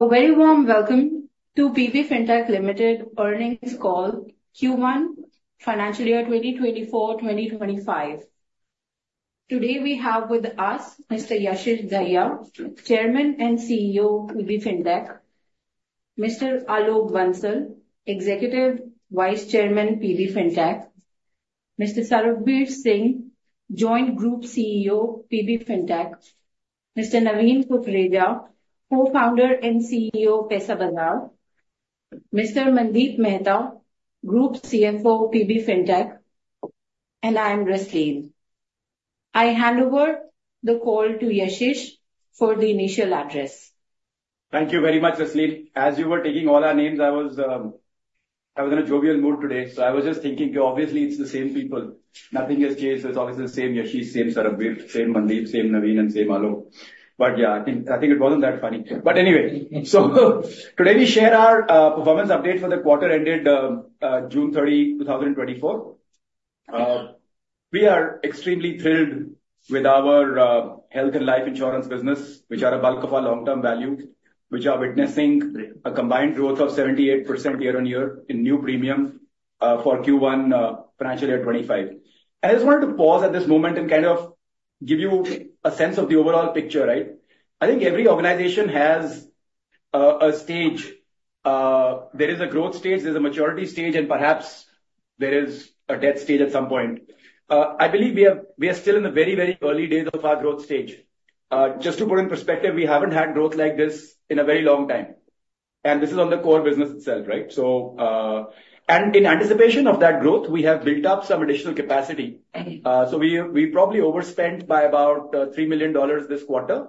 A very warm welcome to PB Fintech Limited earnings call, Q1, financial year 2024, 2025. Today, we have with us Mr. Yashish Dahiya, Chairman and CEO, PB Fintech; Mr. Alok Bansal, Executive Vice Chairman, PB Fintech; Mr. Sarbvir Singh, Joint Group CEO, PB Fintech; Mr. Naveen Kukreja, Co-founder and CEO, Paisabazaar; Mr. Mandeep Mehta, Group CFO, PB Fintech, and I am Rasleen. I hand over the call to Yashish for the initial address. Thank you very much, Rasleen. As you were taking all our names, I was, I was in a jovial mood today, so I was just thinking, obviously, it's the same people. Nothing has changed. It's always the same Yashish, same Sarbvir, same Mandeep, same Naveen, and same Alok. But yeah, I think, I think it wasn't that funny. But anyway, so today we share our performance update for the quarter ended June 30, 2024. We are extremely thrilled with our health and life insurance business, which are a bulk of our long-term value, which are witnessing a combined growth of 78% year-on-year in new premium for Q1 financial year 2025. And I just wanted to pause at this moment and kind of give you a sense of the overall picture, right? I think every organization has a stage. There is a growth stage, there's a maturity stage, and perhaps there is a death stage at some point. I believe we are, we are still in the very, very early days of our growth stage. Just to put in perspective, we haven't had growth like this in a very long time, and this is on the core business itself, right? So, and in anticipation of that growth, we have built up some additional capacity. So we, we probably overspent by about $3 million this quarter,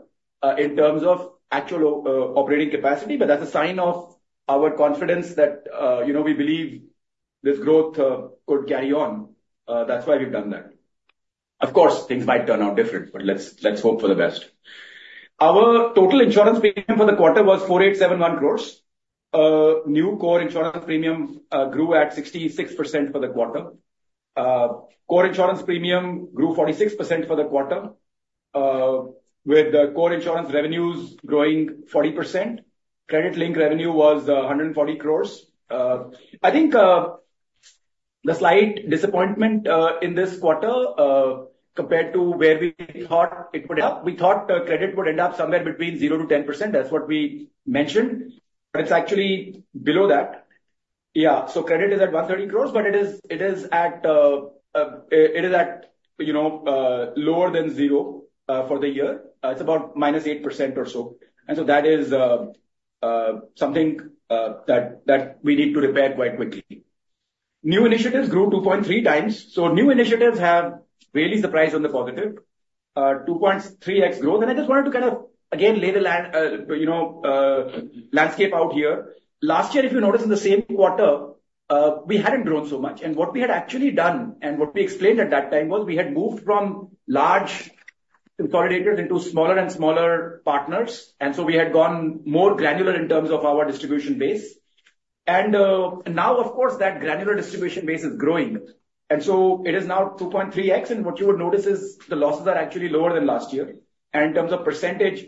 in terms of actual operating capacity. But that's a sign of our confidence that, you know, we believe this growth could carry on. That's why we've done that. Of course, things might turn out different, but let's, let's hope for the best. Our total insurance premium for the quarter was 4,871 crore. New core insurance premium grew at 66% for the quarter. Core insurance premium grew 46% for the quarter, with the core insurance revenues growing 40%. Credit linked revenue was 140 crore. I think the slight disappointment in this quarter compared to where we thought it would end up, we thought credit would end up somewhere between 0%-10%. That's what we mentioned, but it's actually below that. Yeah, so credit is at 130 crore, but it is at, you know, lower than zero for the year. It's about -8% or so. That is something that we need to repair quite quickly. New initiatives grew 2.3 times, so new initiatives have really surprised on the positive. 2.3x growth, and I just wanted to kind of, again, lay the landscape out here. Last year, if you notice in the same quarter, we hadn't grown so much. What we had actually done, and what we explained at that time, was we had moved from large consolidators into smaller and smaller partners, and so we had gone more granular in terms of our distribution base. Now, of course, that granular distribution base is growing, and so it is now 2.3x, and what you would notice is the losses are actually lower than last year. In terms of percentage,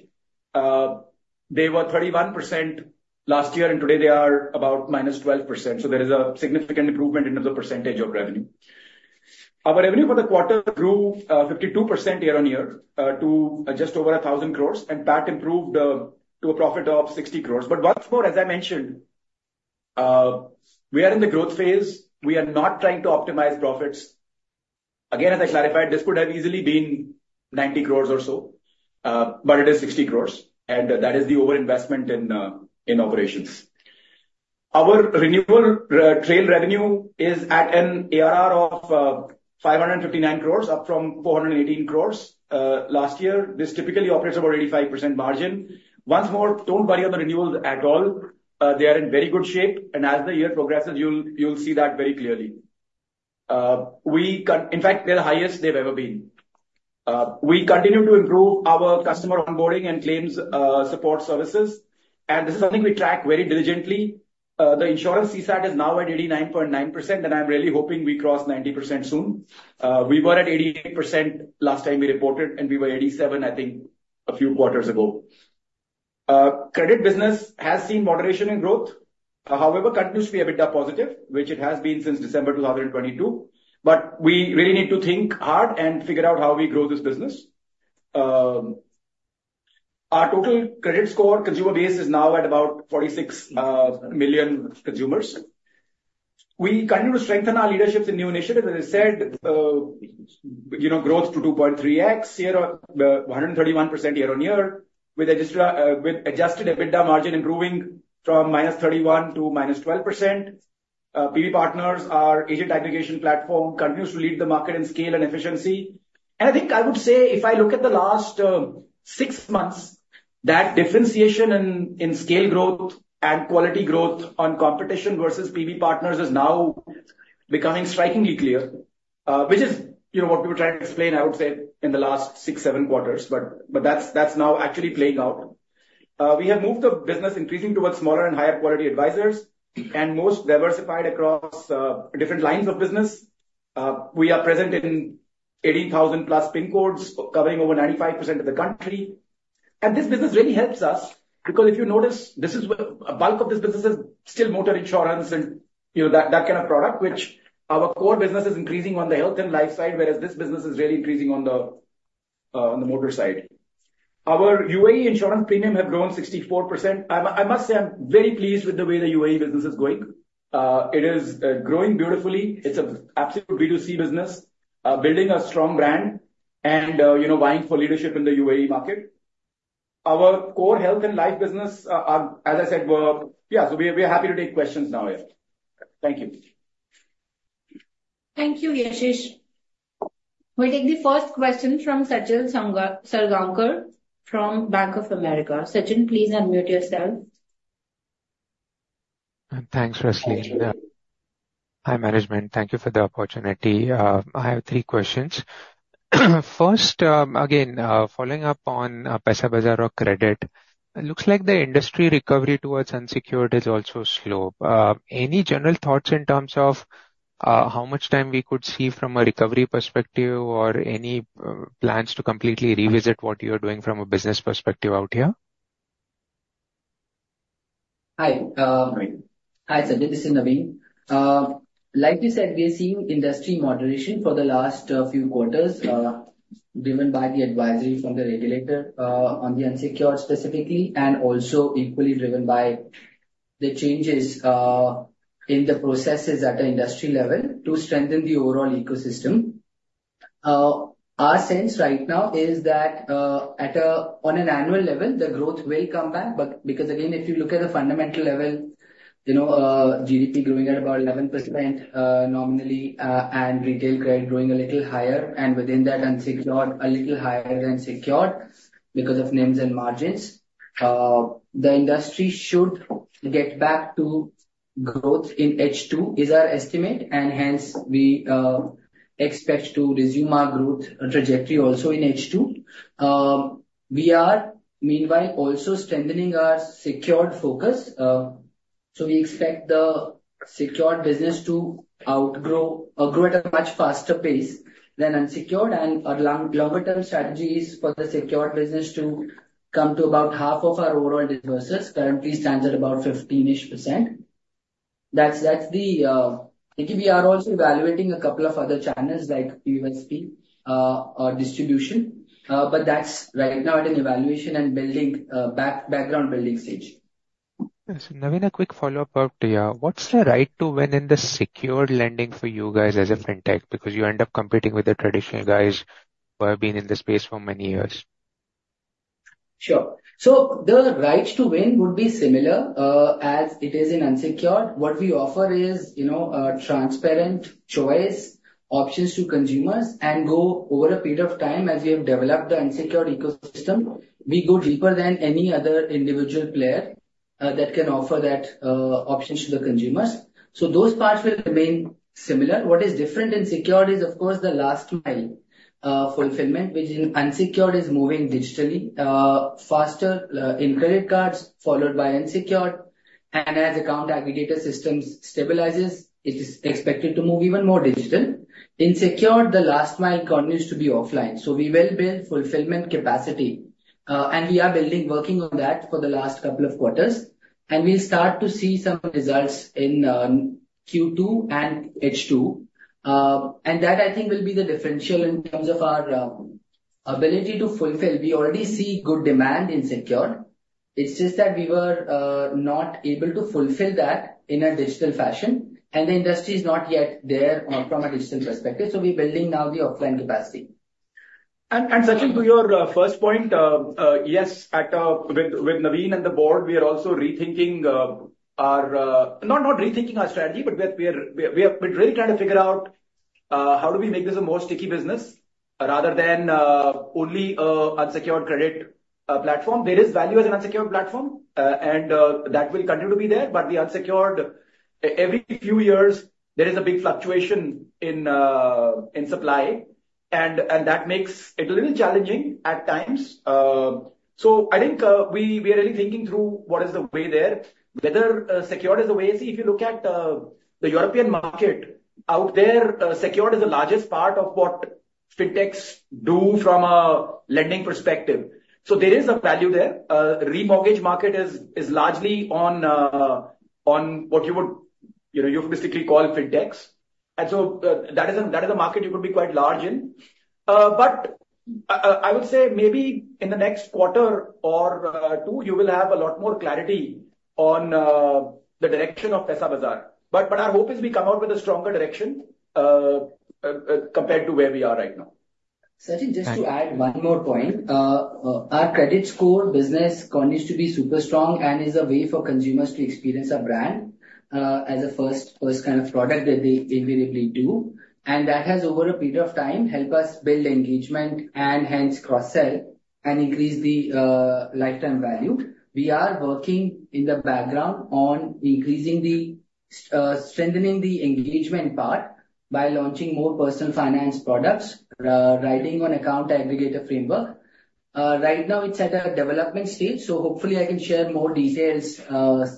they were 31% last year, and today they are about -12%. So there is a significant improvement in terms of percentage of revenue. Our revenue for the quarter grew 52% year-on-year to just over 1,000 crore, and PAT improved to a profit of 60 crore. But once more, as I mentioned, we are in the growth phase. We are not trying to optimize profits. Again, as I clarified, this could have easily been 90 crore or so, but it is 60 crore, and that is the overinvestment in in operations. Our renewal trail revenue is at an ARR of 559 crore, up from 418 crore last year. This typically operates about 85% margin. Once more, don't worry about renewals at all. They are in very good shape, and as the year progresses, you'll, you'll see that very clearly. In fact, they're the highest they've ever been. We continue to improve our customer onboarding and claims support services, and this is something we track very diligently. The insurance CSAT is now at 89.9%, and I'm really hoping we cross 90% soon. We were at 88% last time we reported, and we were 87%, I think, a few quarters ago. Credit business has seen moderation in growth. However, continues to be a bit positive, which it has been since December 2022. But we really need to think hard and figure out how we grow this business. Our total credit score consumer base is now at about 46 million consumers. We continue to strengthen our leadership in new initiatives, as I said, you know, growth to 2.3x year-on-year 131% year-on-year, with adjusted EBITDA margin improving from -31% to -12%. PBPartners, our agent aggregation platform, continues to lead the market in scale and efficiency. And I think I would say, if I look at the last six months, that differentiation in scale growth and quality growth on competition versus PBPartners is now becoming strikingly clear, which is, you know, what we were trying to explain, I would say, in the last six-seven quarters. But that's now actually playing out. We have moved the business increasingly towards smaller and higher quality advisors and most diversified across different lines of business. We are present in 18,000+ PIN codes covering over 95% of the country. This business really helps us, because if you notice, this is where a bulk of this business is still motor insurance and, you know, that, that kind of product, which our core business is increasing on the health and life side, whereas this business is really increasing on the motor side. Our UAE insurance premium have grown 64%. I must say, I'm very pleased with the way the UAE business is going. It is growing beautifully. It's a absolute B2C business, building a strong brand and, you know, vying for leadership in the UAE market. Our core health and life business are, as I said, we're. Yeah, so we are, we're happy to take questions now, yeah. Thank you. Thank you, Yashish. We'll take the first question from Sachin Salgaonkar from Bank of America. Sachin, please unmute yourself. Thanks, Rasleen. Thank you. Hi, management. Thank you for the opportunity. I have three questions. First, again, following up on Paisabazaar credit, it looks like the industry recovery towards unsecured is also slow. Any general thoughts in terms of how much time we could see from a recovery perspective or any plans to completely revisit what you are doing from a business perspective out here? Hi, uh- Hi. Hi, Sachin, this is Naveen. Like you said, we are seeing industry moderation for the last few quarters, driven by the advisory from the regulator on the unsecured specifically, and also equally driven by the changes in the processes at an industry level to strengthen the overall ecosystem. Our sense right now is that, on an annual level, the growth will come back, but because, again, if you look at the fundamental level, you know, GDP growing at about 11% nominally, and retail credit growing a little higher, and within that, unsecured a little higher than secured because of NIMs and margins. The industry should get back to growth in H2, is our estimate, and hence we expect to resume our growth trajectory also in H2. We are meanwhile also strengthening our secured focus. So we expect the secured business to outgrow or grow at a much faster pace than unsecured. And our long, longer term strategy is for the secured business to come to about half of our overall disbursements. Currently, stands at about 15%. That's, that's the... I think we are also evaluating a couple of other channels, like LSP, or distribution, but that's right now at an evaluation and building, background building stage. Yes. Naveen, a quick follow-up to you. What's the right to win in the secured lending for you guys as a fintech? Because you end up competing with the traditional guys who have been in this space for many years. Sure. So the rights to win would be similar, as it is in unsecured. What we offer is, you know, a transparent choice, options to consumers, and go over a period of time as we have developed the unsecured ecosystem. We go deeper than any other individual player, that can offer that, options to the consumers. So those parts will remain similar. What is different in secured is, of course, the last mile, fulfillment, which in unsecured is moving digitally, faster, in credit cards, followed by unsecured. And as Account Aggregator systems stabilizes, it is expected to move even more digital. In secured, the last mile continues to be offline, so we will build fulfillment capacity, and we are building, working on that for the last couple of quarters. And we'll start to see some results in Q2 and H2. And that, I think, will be the differential in terms of our ability to fulfill. We already see good demand in secured. It's just that we were not able to fulfill that in a digital fashion, and the industry is not yet there, from a digital perspective, so we're building now the offline capacity. And Sachin, to your first point, yes, with Naveen and the board, we are also rethinking, not rethinking our strategy, but we are, we're really trying to figure out how do we make this a more sticky business rather than only a unsecured credit platform. There is value as an unsecured platform, and that will continue to be there, but the unsecured, every few years, there is a big fluctuation in supply, and that makes it a little challenging at times. So I think, we are really thinking through what is the way there, whether secured is the way. See, if you look at the European market, out there, secured is the largest part of what fintechs do from a lending perspective, so there is a value there. Remortgage market is largely on what you would, you know, you basically call fintechs. And so, that is a market you could be quite large in. But I would say maybe in the next quarter or two, you will have a lot more clarity on the direction of Paisabazaar. But our hope is we come out with a stronger direction compared to where we are right now. Sachin, just to add one more point. Our credit score business continues to be super strong and is a way for consumers to experience our brand as a first, first kind of product that they invariably do. And that has, over a period of time, helped us build engagement and hence cross-sell and increase the lifetime value. We are working in the background on increasing the strengthening the engagement part by launching more personal finance products riding on account aggregator framework. Right now it's at a development stage, so hopefully I can share more details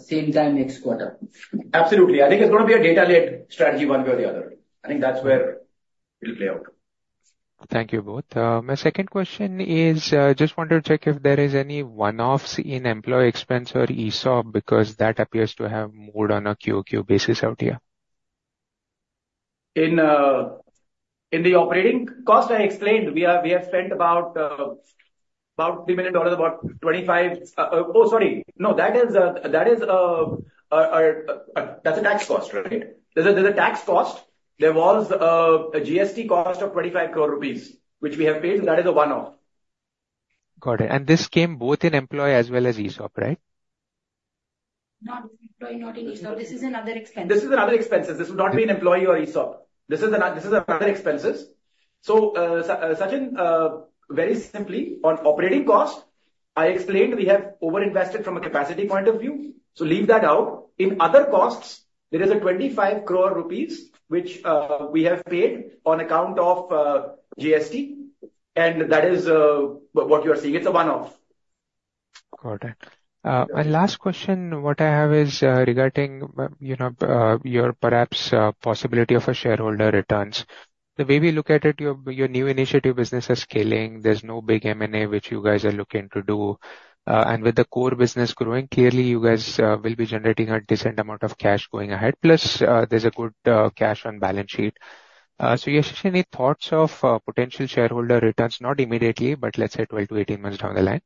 same time next quarter. Absolutely. I think it's gonna be a data-led strategy one way or the other. I think that's where it'll play out. ... Thank you both. My second question is, just wanted to check if there is any one-offs in employee expense or ESOP, because that appears to have more on a QoQ basis out here. In the operating cost, I explained, we have spent about $3 million. No, that is a tax cost, right? There's a tax cost. There was a GST cost of 25 crore rupees, which we have paid, and that is a one-off. Got it. And this came both in employee as well as ESOP, right? Not in employee, not in ESOP. This is another expense. This is another expenses. This would not be an employee or ESOP. This is an, this is another expenses. So, Sachin, very simply, on operating cost, I explained we have over-invested from a capacity point of view, so leave that out. In other costs, there is 25 crore rupees, which, we have paid on account of, GST, and that is, what you are seeing. It's a one-off. Got it. And last question, what I have is, regarding, you know, your perhaps, possibility of a shareholder returns. The way we look at it, your, your new initiative business are scaling, there's no big M&A which you guys are looking to do, and with the core business growing, clearly, you guys, will be generating a decent amount of cash going ahead. Plus, there's a good, cash on balance sheet. So you have any thoughts of, potential shareholder returns? Not immediately, but let's say 12-18 months down the line.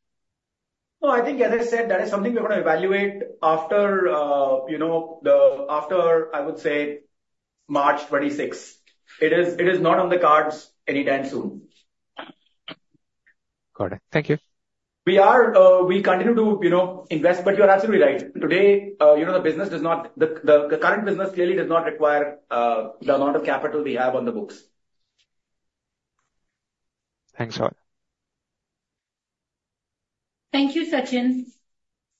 No, I think, as I said, that is something we're going to evaluate after, you know, after, I would say, March 2026. It is, it is not on the cards anytime soon. Got it. Thank you. We are, we continue to, you know, invest, but you're absolutely right. Today, you know, the business does not. The current business clearly does not require the amount of capital we have on the books. Thanks a lot. Thank you, Sachin.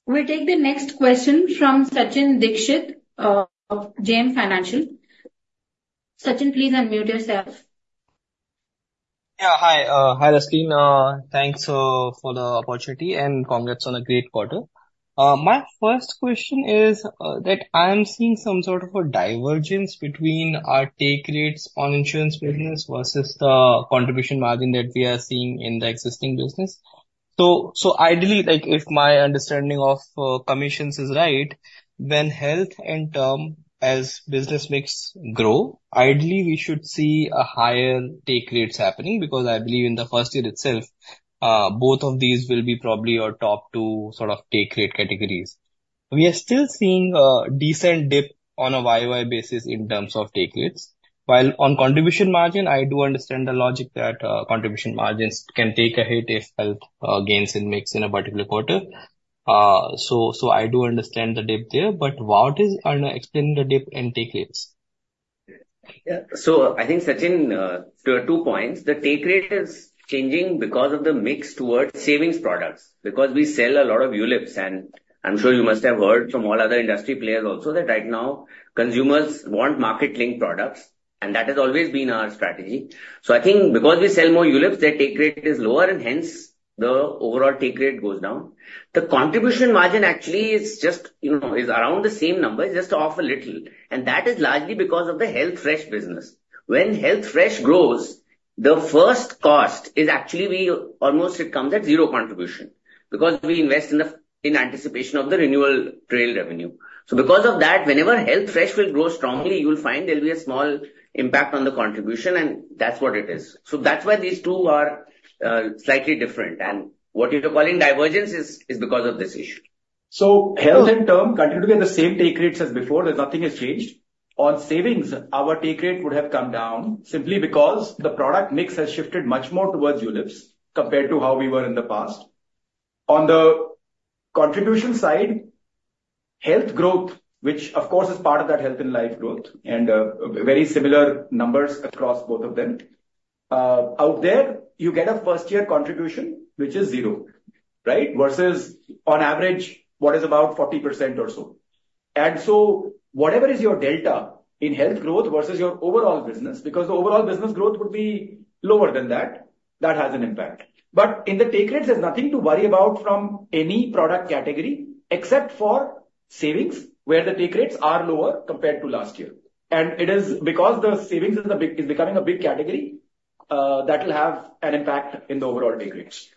We'll take the next question from Sachin Dixit, of JM Financial. Sachin, please unmute yourself. Yeah, hi. Hi, Rasleen. Thanks for the opportunity, and congrats on a great quarter. My first question is that I am seeing some sort of a divergence between our take rates on insurance business versus the contribution margin that we are seeing in the existing business. So, ideally, like, if my understanding of commissions is right, then health and term as business mix grow, ideally, we should see a higher take rates happening, because I believe in the first year itself, both of these will be probably your top two sort of take rate categories. We are still seeing a decent dip on a YoY basis in terms of take rates. While on contribution margin, I do understand the logic that contribution margins can take a hit if health gains in mix in a particular quarter. So, I do understand the dip there, but what is explaining the dip in take rates? Yeah. So I think, Sachin, there are two points. The take rate is changing because of the mix towards savings products, because we sell a lot of ULIPs, and I'm sure you must have heard from all other industry players also, that right now, consumers want market link products, and that has always been our strategy. So I think because we sell more ULIPs, their take rate is lower, and hence, the overall take rate goes down. The contribution margin actually is just, you know, is around the same number, just off a little, and that is largely because of the Health Fresh business. When Health Fresh grows, the first cost is actually, we almost it comes at zero contribution, because we invest in the, in anticipation of the renewal trail revenue. So because of that, whenever Health Fresh will grow strongly, you will find there will be a small impact on the contribution, and that's what it is. So that's why these two are slightly different. What you're calling divergence is because of this issue. So health in term, continuing in the same take rates as before, there's nothing has changed. On savings, our take rate would have come down simply because the product mix has shifted much more towards ULIPs compared to how we were in the past. On the contribution side, health growth, which of course, is part of that health and life growth, and very similar numbers across both of them. Out there, you get a first year contribution, which is 0, right? Versus on average, what is about 40% or so. And so whatever is your delta in health growth versus your overall business, because the overall business growth would be lower than that, that has an impact. But in the take rates, there's nothing to worry about from any product category, except for savings, where the take rates are lower compared to last year. It is because the savings is a big, is becoming a big category that will have an impact in the overall take rates.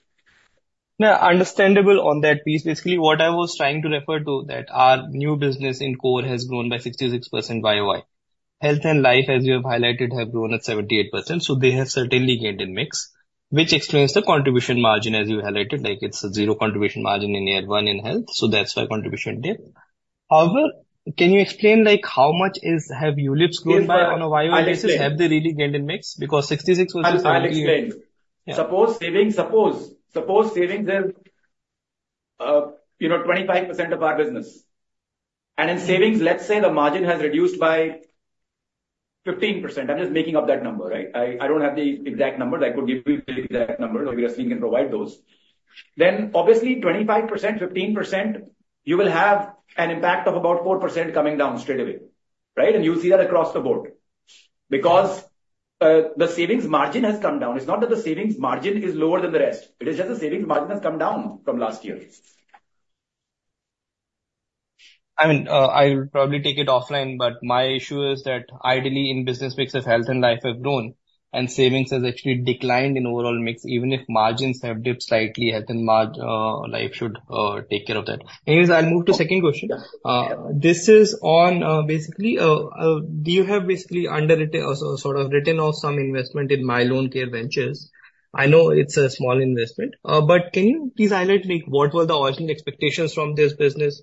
No, understandable on that piece. Basically, what I was trying to refer to, that our new business in core has grown by 66% YoY. Health and life, as you have highlighted, have grown at 78%, so they have certainly gained in mix, which explains the contribution margin as you highlighted, like it's a zero contribution margin in year one in health, so that's why contribution dip. However, can you explain, like, how much is, have ULIPs grown by on a YoY basis? I'll explain. Have they really gained in mix? Because 66 was just- I'll explain. Yeah. Suppose savings is, you know, 25% of our business, and in savings, let's say the margin has reduced by 15%. I'm just making up that number, right? I don't have the exact number. I could give you the exact number, or we can provide those. Then obviously, 25%, 15%, you will have an impact of about 4% coming down straight away, right? And you'll see that across the board. Because the savings margin has come down. It's not that the savings margin is lower than the rest. It is just the savings margin has come down from last year.... I mean, I will probably take it offline, but my issue is that ideally, in business mix of health and life have grown and savings has actually declined in overall mix, even if margins have dipped slightly, health and margins, life should take care of that. Anyways, I'll move to second question. This is on, basically, do you have basically underwritten or sort of written off some investment in MyLoanCare Ventures? I know it's a small investment, but can you please highlight, like, what were the original expectations from this business?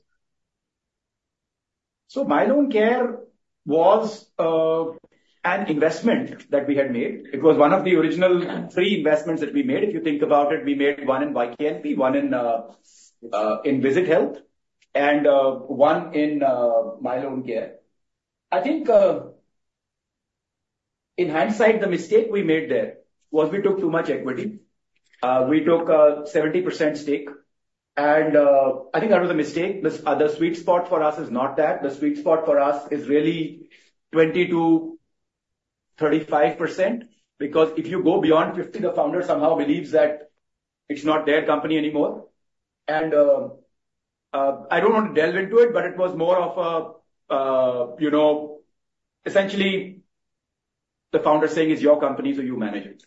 So MyLoanCare was an investment that we had made. It was one of the original three investments that we made. If you think about it, we made one in YAP, one in Visit Health, and one in MyLoanCare. I think in hindsight, the mistake we made there was we took too much equity. We took a 70% stake, and I think that was a mistake. The sweet spot for us is not that. The sweet spot for us is really 20%-35%, because if you go beyond 50, the founder somehow believes that it's not their company anymore. And I don't want to delve into it, but it was more of a you know, essentially the founder saying, "It's your company, so you manage it."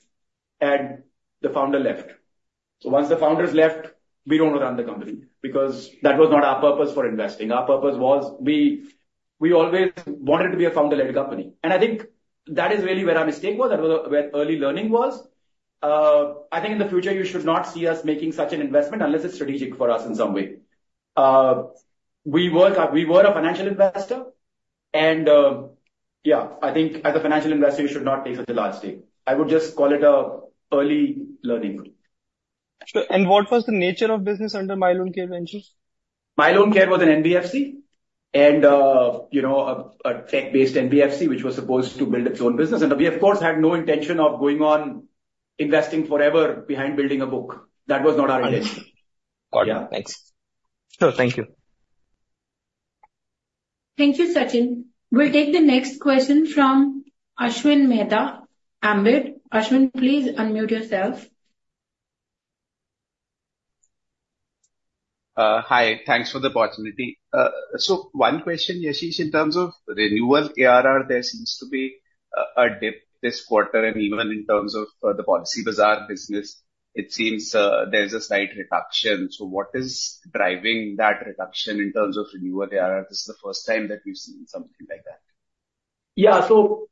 And the founder left. So once the founders left, we don't run the company, because that was not our purpose for investing. Our purpose was we, we always wanted to be a founder-led company. I think that is really where our mistake was, that was where early learning was. I think in the future you should not see us making such an investment unless it's strategic for us in some way. We were a financial investor and, yeah, I think as a financial investor, you should not take such a large stake. I would just call it an early learning. Sure. And what was the nature of business under MyLoanCare Ventures? MyLoanCare was an NBFC and, you know, a tech-based NBFC, which was supposed to build its own business. And we, of course, had no intention of going on investing forever behind building a book. That was not our intention. Got it. Yeah. Thanks. Sure. Thank you. Thank you, Sachin. We'll take the next question from Ashwin Mehta, Ambit. Ashwin, please unmute yourself. Hi, thanks for the opportunity. So one question, Yashish, in terms of renewal ARR, there seems to be a dip this quarter, and even in terms of the Policybazaar business, it seems there's a slight reduction. So what is driving that reduction in terms of renewal ARR? This is the first time that we've seen something like that. Yeah. So,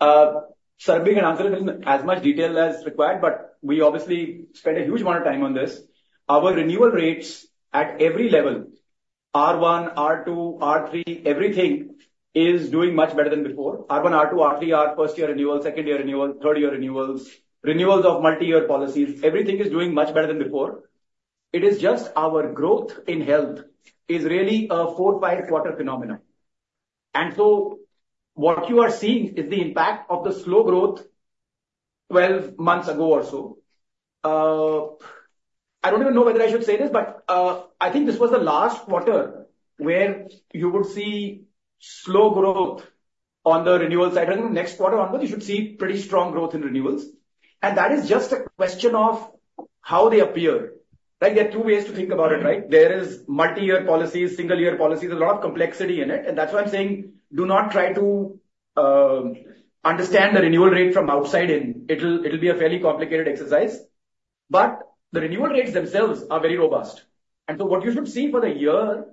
Sarbvir can answer it in as much detail as required, but we obviously spent a huge amount of time on this. Our renewal rates at every level R1, R2, R3, everything is doing much better than before. R1, R2, R3 are first year renewal, second year renewal, third year renewals, renewals of multi-year policies, everything is doing much better than before. It is just our growth in health is really a 4-5 quarter phenomenon. And so what you are seeing is the impact of the slow growth 12 months ago or so. I don't even know whether I should say this, but I think this was the last quarter where you will see slow growth on the renewal side. I think next quarter onwards, you should see pretty strong growth in renewals, and that is just a question of how they appear, right? There are two ways to think about it, right? There is multi-year policies, single year policies, there's a lot of complexity in it, and that's why I'm saying do not try to understand the renewal rate from outside in. It'll be a fairly complicated exercise. But the renewal rates themselves are very robust. And so what you should see for the year,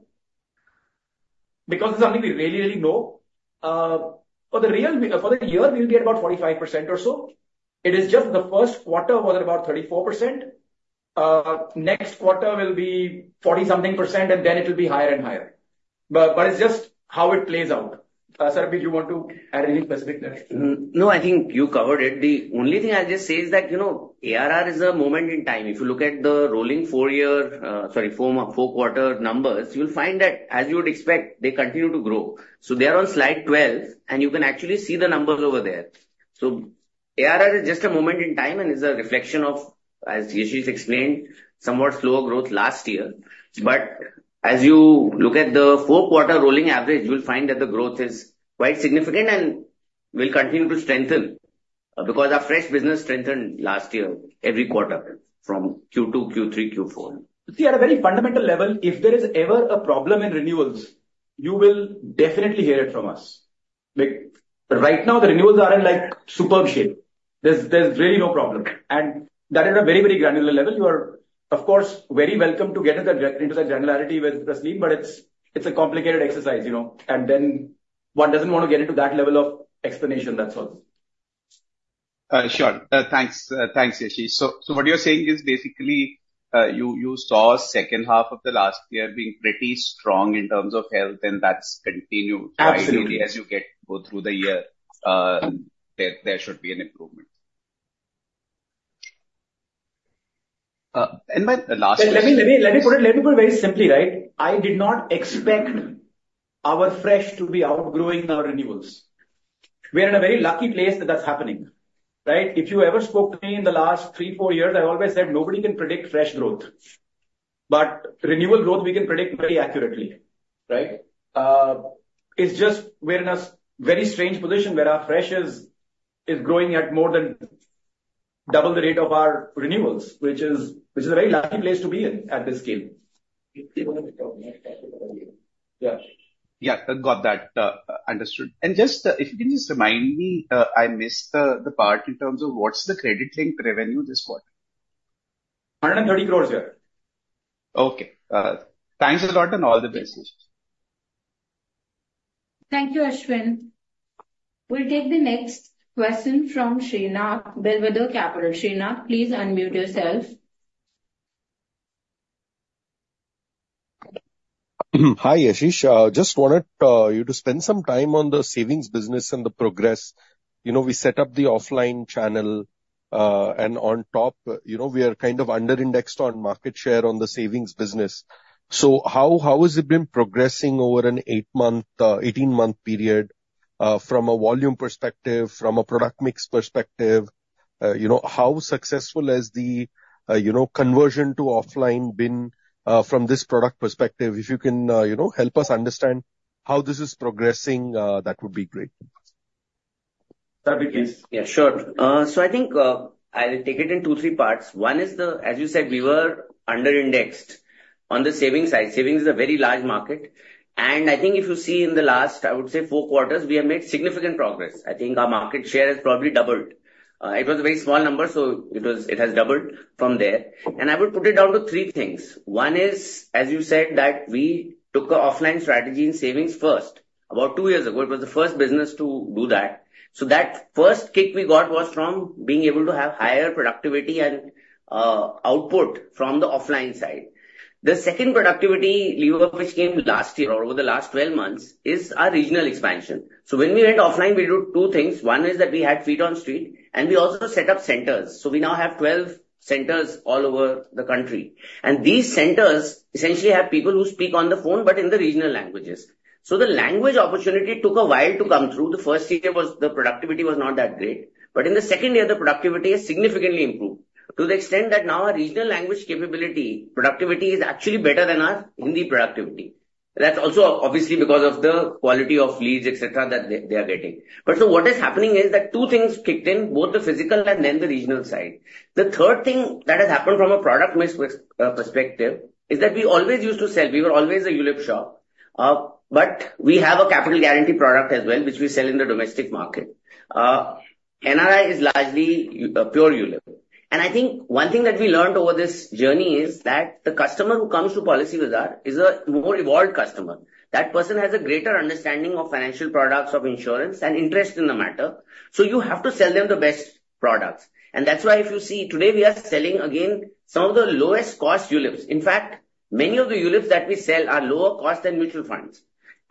because it's something we really, really know, for the year, we'll get about 45% or so. It is just the first quarter was about 34%. Next quarter will be 40-something %, and then it will be higher and higher. But it's just how it plays out. Sarbvir, do you want to add anything specific there? No, I think you covered it. The only thing I'll just say is that, you know, ARR is a moment in time. If you look at the rolling four quarter numbers, you'll find that as you would expect, they continue to grow. So they are on slide 12, and you can actually see the numbers over there. So ARR is just a moment in time and is a reflection of, as Yashish explained, somewhat slower growth last year. But as you look at the four quarter rolling average, you'll find that the growth is quite significant and will continue to strengthen, because our fresh business strengthened last year every quarter, from Q2, Q3, Q4. See, at a very fundamental level, if there is ever a problem in renewals, you will definitely hear it from us. Like, right now, the renewals are in, like, superb shape. There's really no problem. And that is a very, very granular level. You are, of course, very welcome to get into that generality with Rasleen, but it's a complicated exercise, you know, and then one doesn't want to get into that level of explanation, that's all. Sure. Thanks. Thanks, Yashish. So what you're saying is basically, you saw second half of the last year being pretty strong in terms of health, and that's continued- Absolutely. Ideally, as you go through the year, there should be an improvement. And my last question- Let me put it very simply, right? I did not expect our fresh to be outgrowing our renewals. We are in a very lucky place that that's happening, right? If you ever spoke to me in the last three, four years, I always said, "Nobody can predict fresh growth, but renewal growth, we can predict very accurately," right? It's just we're in a very strange position where our fresh is growing at more than double the rate of our renewals, which is a very lucky place to be in at this scale. Yeah. Yeah, got that. Understood. And just, if you can just remind me, I missed the, the part in terms of what's the credit-linked revenue this quarter? 130 crore, yeah. Okay. Thanks a lot, and all the best. Thank you, Ashwin. We'll take the next question from Srinath, Bellwether Capital. Srinath, please unmute yourself. Hi, Yashish. Just wanted you to spend some time on the savings business and the progress. You know, we set up the offline channel, and on top, you know, we are kind of under indexed on market share on the savings business. So how has it been progressing over an 8-month, 18-month period from a volume perspective, from a product mix perspective? You know, how successful has the you know, conversion to offline been from this product perspective? If you can you know, help us understand how this is progressing, that would be great. Sarvbir, please. Yeah, sure. So I think, I'll take it in two, three parts. One is the... As you said, we were under indexed on the savings side. Savings is a very large market, and I think if you see in the last, I would say four quarters, we have made significant progress. I think our market share has probably doubled. It was a very small number, so it was - it has doubled from there. And I would put it down to three things. One is, as you said, that we took an offline strategy in savings first. About two years ago, it was the first business to do that. So that first kick we got was from being able to have higher productivity and, output from the offline side. The second productivity lever, which came last year or over the last 12 months, is our regional expansion. So when we went offline, we did two things. One is that we had feet on street, and we also set up centers. So we now have 12 centers all over the country, and these centers essentially have people who speak on the phone, but in the regional languages. So the language opportunity took a while to come through. The first year was, the productivity was not that great, but in the second year, the productivity has significantly improved to the extent that now our regional language capability, productivity is actually better than our Hindi productivity. That's also obviously because of the quality of leads, et cetera, that they, they are getting. But so what is happening is that two things kicked in, both the physical and then the regional side. The third thing that has happened from a product mix perspective is that we always used to sell; we were always a ULIP shop. But we have a capital guarantee product as well, which we sell in the domestic market. NRI is largely pure ULIP. And I think one thing that we learned over this journey is that the customer who comes to Policybazaar is a more evolved customer. That person has a greater understanding of financial products, of insurance and interest in the matter, so you have to sell them the best products. And that's why if you see, today we are selling again some of the lowest cost ULIPs. In fact, many of the ULIPs that we sell are lower cost than mutual funds.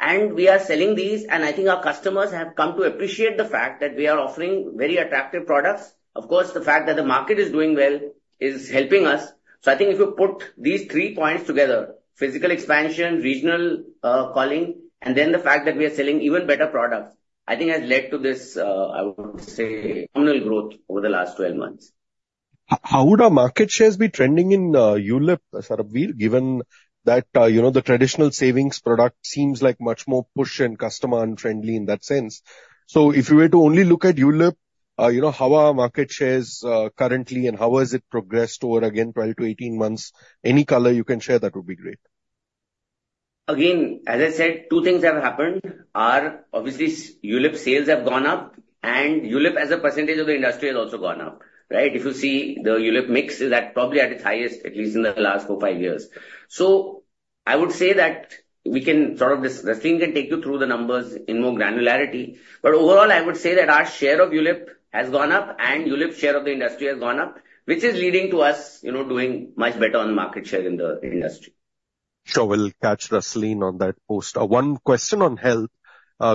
We are selling these, and I think our customers have come to appreciate the fact that we are offering very attractive products. Of course, the fact that the market is doing well is helping us. I think if you put these three points together, physical expansion, regional calling, and then the fact that we are selling even better products, I think has led to this, I would say, nominal growth over the last 12 months. How would our market shares be trending in ULIP, Sarbvir, given that you know, the traditional savings product seems like much more push and customer unfriendly in that sense. So if you were to only look at ULIP, you know, how are market shares currently, and how has it progressed over again prior to 18 months? Any color you can share, that would be great. Again, as I said, two things have happened: obviously ULIP sales have gone up and ULIP as a percentage of the industry has also gone up, right? If you see, the ULIP mix is at, probably at its highest, at least in the last four, five years. So I would say that we can sort of this, Rasleen can take you through the numbers in more granularity, but overall, I would say that our share of ULIP has gone up and ULIP share of the industry has gone up, which is leading to us, you know, doing much better on market share in the industry. Sure, we'll catch Rasleen on that post. One question on health.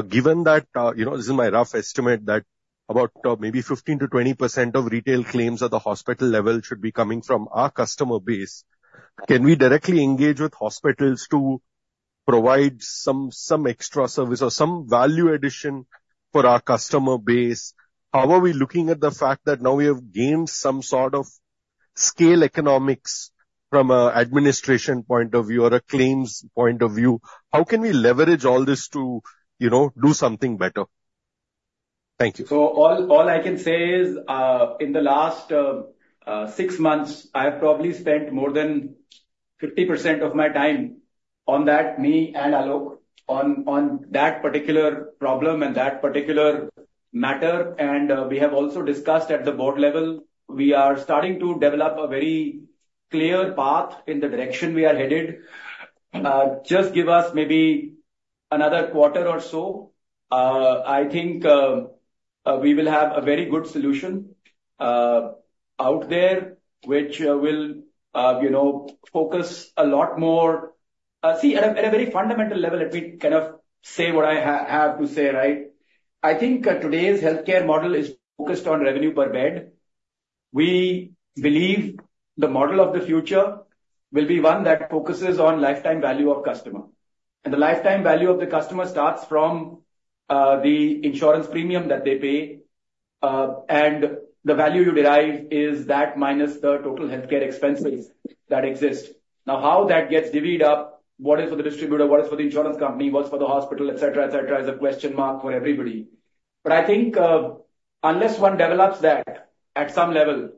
Given that, you know, this is my rough estimate, that about maybe 15%-20% of retail claims at the hospital level should be coming from our customer base, can we directly engage with hospitals to provide some extra service or some value addition for our customer base? How are we looking at the fact that now we have gained some sort of scale economics from an administration point of view or a claims point of view? How can we leverage all this to, you know, do something better? Thank you. So all, all I can say is, in the last six months, I have probably spent more than 50% of my time on that, me and Alok, on that particular problem and that particular matter, and we have also discussed at the board level. We are starting to develop a very clear path in the direction we are headed. Just give us maybe another quarter or so. I think we will have a very good solution out there, which will, you know, focus a lot more. See, at a very fundamental level, let me kind of say what I have to say, right? I think today's healthcare model is focused on revenue per bed. We believe the model of the future will be one that focuses on lifetime value of customer. The lifetime value of the customer starts from the insurance premium that they pay, and the value you derive is that minus the total healthcare expenses that exist. Now, how that gets divvied up, what is for the distributor, what is for the insurance company, what's for the hospital, et cetera, et cetera, is a question mark for everybody. But I think, unless one develops that at some level,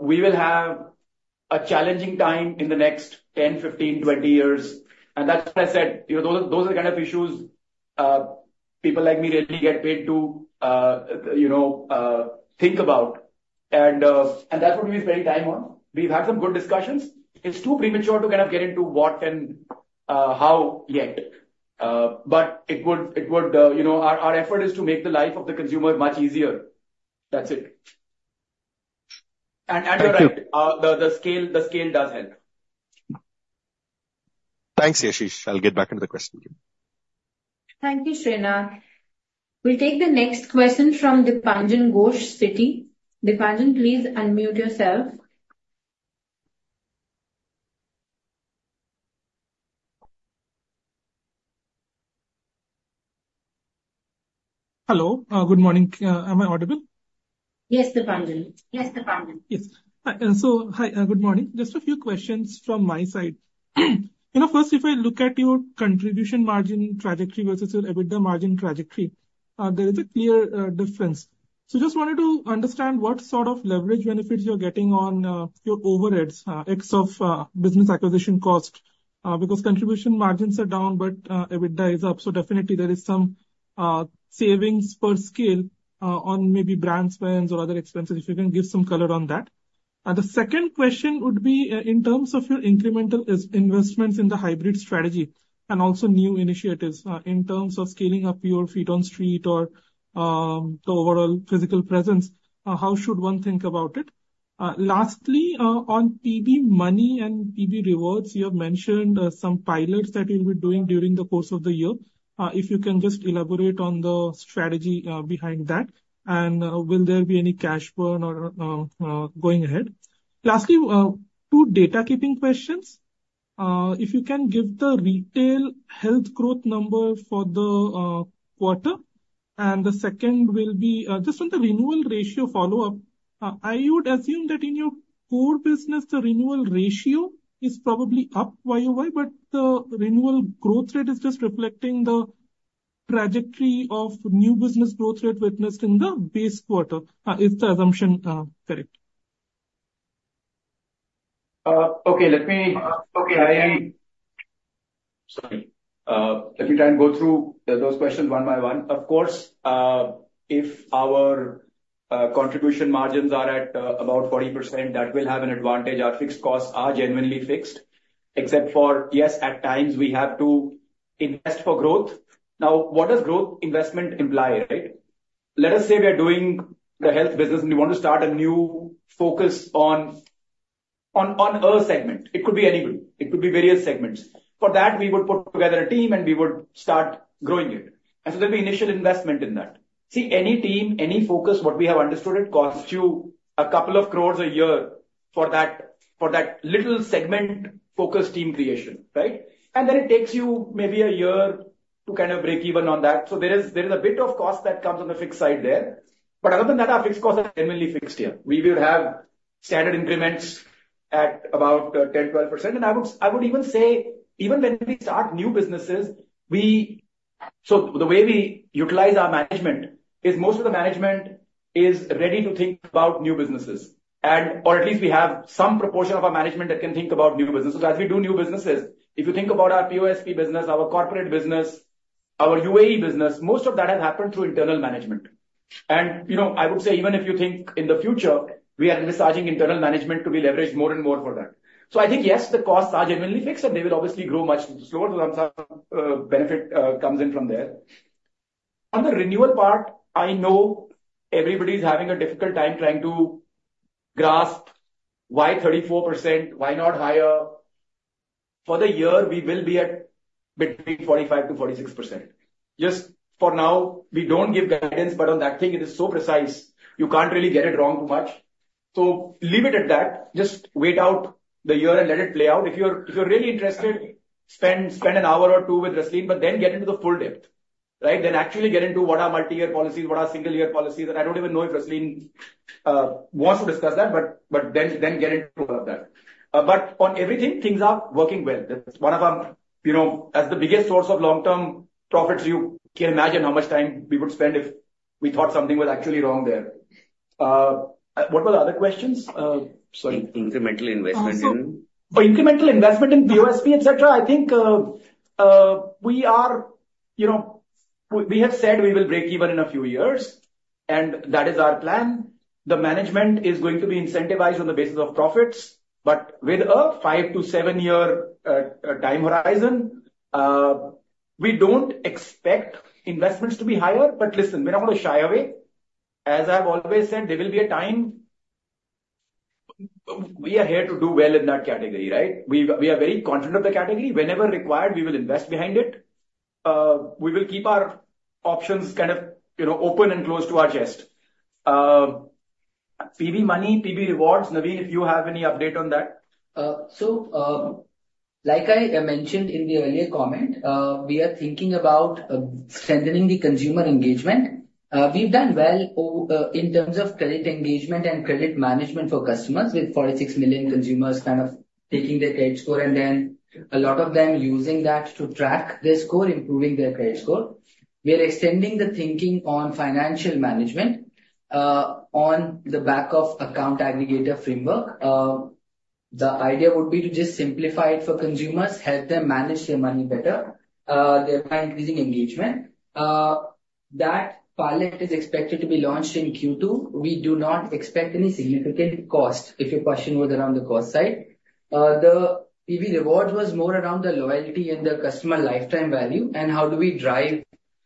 we will have a challenging time in the next 10, 15, 20 years. And that's why I said, you know, those are the kind of issues people like me really get paid to, you know, think about. And that's what we're spending time on. We've had some good discussions. It's too premature to kind of get into what and how yet, but it would, it would, you know, our, our effort is to make the life of the consumer much easier. That's it. And, and you're right- Thank you. The scale does help. Thanks, Yashish. I'll get back into the queue. Thank you, Srinath. We'll take the next question from Dipanjan Ghosh, Citi. Dipanjan, please unmute yourself. Hello. Good morning. Am I audible? Yes, Dipanjan. Yes, Dipanjan. Yes. So hi, good morning. Just a few questions from my side. You know, first, if I look at your contribution margin trajectory versus your EBITDA margin trajectory, there is a clear, difference. So just wanted to understand what sort of leverage benefits you're getting on, your overheads, ex of, business acquisition cost, because contribution margins are down, but, EBITDA is up. So definitely there is some, savings per scale, on maybe brand spends or other expenses, if you can give some color on that. The second question would be, in terms of your incremental investments in the hybrid strategy and also new initiatives, in terms of scaling up your feet on street or, the overall physical presence, how should one think about it? Lastly, on PB Money and PB Rewards, you have mentioned some pilots that you'll be doing during the course of the year. If you can just elaborate on the strategy behind that, and will there be any cash burn going ahead? Lastly, two housekeeping questions. If you can give the retail health growth number for the quarter, and the second will be just on the renewal ratio follow-up. I would assume that in your core business, the renewal ratio is probably up YOY, but the renewal growth rate is just reflecting the trajectory of new business growth rate witnessed in the base quarter. Is the assumption correct? Okay, let me try and go through those questions one by one. Of course, if our contribution margins are at about 40%, that will have an advantage. Our fixed costs are genuinely fixed, except for, yes, at times, we have to invest for growth. Now, what does growth investment imply, right? Let us say we are doing the health business, and we want to start a new focus on a segment. It could be any group, it could be various segments. For that, we would put together a team, and we would start growing it. And so there'll be initial investment in that. See, any team, any focus, what we have understood, it costs you 2 crore a year for that little segment focus team creation, right? And then it takes you maybe a year to kind of break even on that. So there is a bit of cost that comes on the fixed side there. But other than that, our fixed costs are genuinely fixed, yeah. We will have standard increments at about 10, 12%. And I would even say, even when we start new businesses, we-- So the way we utilize our management is, most of the management is ready to think about new businesses, and-- or at least we have some proportion of our management that can think about new businesses. As we do new businesses, if you think about our POSP business, our corporate business, our UAE business, most of that has happened through internal management. You know, I would say even if you think in the future, we are massaging internal management to be leveraged more and more for that. So I think, yes, the costs are genuinely fixed, and they will obviously grow much slower, so some benefit comes in from there. On the renewal part, I know everybody's having a difficult time trying to grasp why 34%, why not higher? For the year, we will be at between 45%-46%. Just for now, we don't give guidance, but on that thing, it is so precise, you can't really get it wrong too much. So leave it at that. Just wait out the year and let it play out. If you're really interested, spend an hour or two with Rasleen, but then get into the full depth, right? Then actually get into what are multi-year policies, what are single year policies. And I don't even know if Rasleen wants to discuss that, but then get into all of that. But on everything, things are working well. That's one of our, you know, as the biggest source of long-term profits, you can imagine how much time we would spend if we thought something was actually wrong there. What were the other questions? Sorry. Incremental investment in- For incremental investment in POSP, et cetera, I think, we are, you know, we, we have said we will break even in a few years, and that is our plan. The management is going to be incentivized on the basis of profits, but with a 5-7-year time horizon. We don't expect investments to be higher, but listen, we're not going to shy away. As I've always said, there will be a time... We are here to do well in that category, right? We are very confident of the category. Whenever required, we will invest behind it. We will keep our options kind of, you know, open and close to our chest. PB Money, PB Rewards, Naveen, if you have any update on that? So, like I mentioned in the earlier comment, we are thinking about strengthening the consumer engagement. We've done well in terms of credit engagement and credit management for customers, with 46 million consumers kind of taking their credit score, and then a lot of them using that to track their score, improving their credit score. We are extending the thinking on financial management, on the back of Account Aggregator framework. The idea would be to just simplify it for consumers, help them manage their money better, thereby increasing engagement. That pilot is expected to be launched in Q2. We do not expect any significant cost, if your question was around the cost side. The PB reward was more around the loyalty and the customer lifetime value, and how do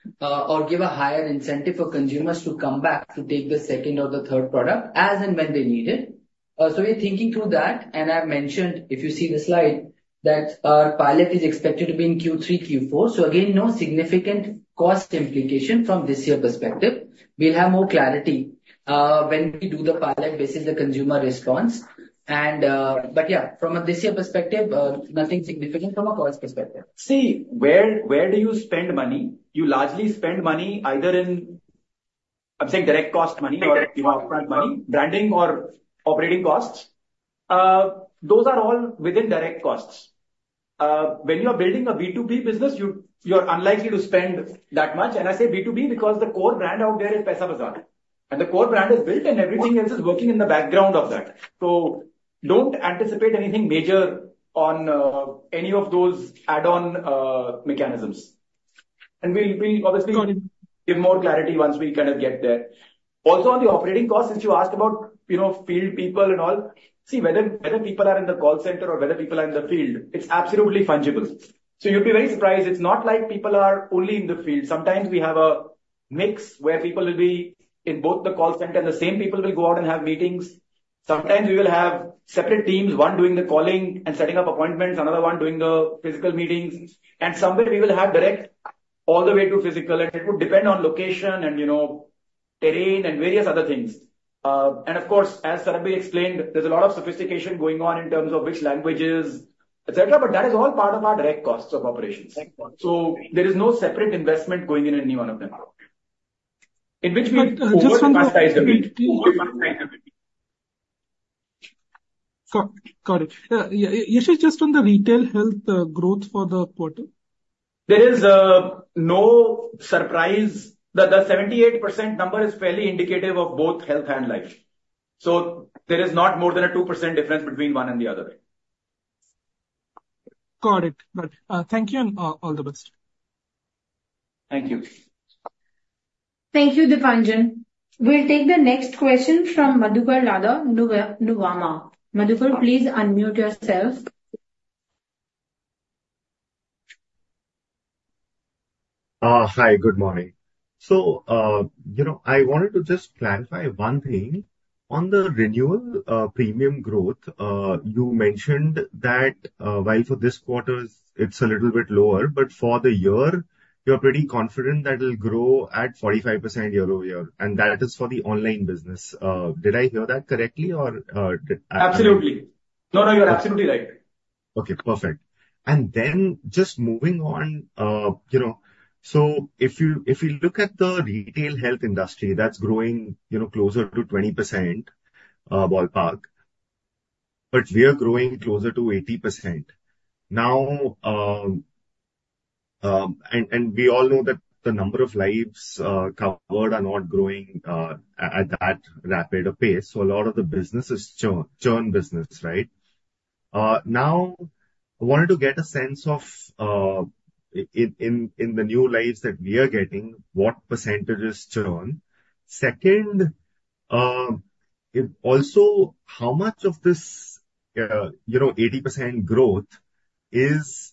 we drive, or give a higher incentive for consumers to come back to take the second or the third product, as and when they need it. So we're thinking through that, and I've mentioned, if you see the slide, that our pilot is expected to be in Q3, Q4. So again, no significant cost implication from this year perspective. We'll have more clarity, when we do the pilot versus the consumer response. But yeah, from a this year perspective, nothing significant from a cost perspective. See, where do you spend money? You largely spend money either in, I'm saying, direct cost money or upfront money, branding or operating costs. Those are all within direct costs. When you are building a B2B business, you're unlikely to spend that much. And I say B2B because the core brand out there is Paisabazaar, and the core brand is built, and everything else is working in the background of that. So don't anticipate anything major on any of those add-on mechanisms. And we'll obviously give more clarity once we kind of get there. Also, on the operating costs, since you asked about, you know, field people and all. See, whether people are in the call center or whether people are in the field, it's absolutely fungible. So you'll be very surprised, it's not like people are only in the field. Sometimes we have a mix where people will be in both the call center, and the same people will go out and have meetings. Sometimes we will have separate teams, one doing the calling and setting up appointments, another one doing the physical meetings. And somewhere we will have direct all the way to physical, and it would depend on location and, you know, terrain and various other things. And of course, as Sarbvir explained, there's a lot of sophistication going on in terms of which languages, et cetera, but that is all part of our direct costs of operations. Right. There is no separate investment going in any one of them. In which we overemphasize a bit. Got it. Yes, sir, just on the retail health growth for the quarter. There is no surprise. The 78% number is fairly indicative of both health and life. So there is not more than a 2% difference between one and the other. Got it. Got it. Thank you and all the best. Thank you. Thank you, Dipanjan. We'll take the next question from Madhukar Ladha, Nuvama. Madhukar, please unmute yourself. Hi, good morning. So, you know, I wanted to just clarify one thing. On the renewal premium growth, you mentioned that while for this quarter it's a little bit lower, but for the year, you're pretty confident that it'll grow at 45% year-over-year, and that is for the online business. Did I hear that correctly or, did- Absolutely. No, no, you're absolutely right. Okay, perfect. And then just moving on, you know, so if you, if you look at the retail health industry, that's growing, you know, closer to 20%, ballpark, but we are growing closer to 80%. Now, and we all know that the number of lives covered are not growing at that rapid a pace, so a lot of the business is churn, churn business, right? Now, I wanted to get a sense of in the new lives that we are getting, what percentage is churn? Second, if also, how much of this, you know, 80% growth is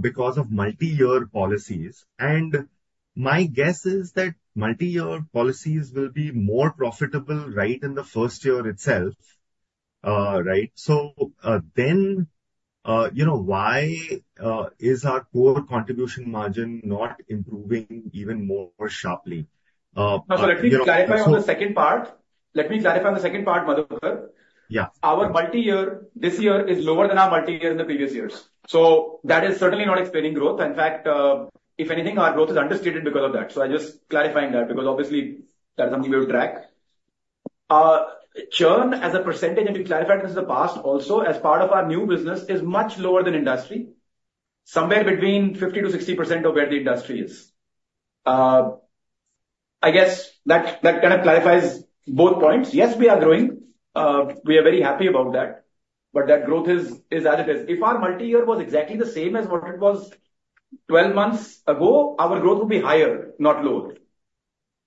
because of multi-year policies? And my guess is that multi-year policies will be more profitable right in the first year itself. Right? So, then, you know, why is our core contribution margin not improving even more sharply? You know, so- Let me clarify on the second part, Madhukar. Yeah. Our multi-year, this year, is lower than our multi-year in the previous years. So that is certainly not explaining growth. In fact, if anything, our growth is understated because of that. So I'm just clarifying that, because obviously that's something we would track. Churn as a percentage, and we clarified this in the past also, as part of our new business, is much lower than industry, somewhere between 50%-60% of where the industry is. I guess that, that kind of clarifies both points. Yes, we are growing. We are very happy about that, but that growth is, is as it is. If our multi-year was exactly the same as what it was 12 months ago, our growth would be higher, not lower.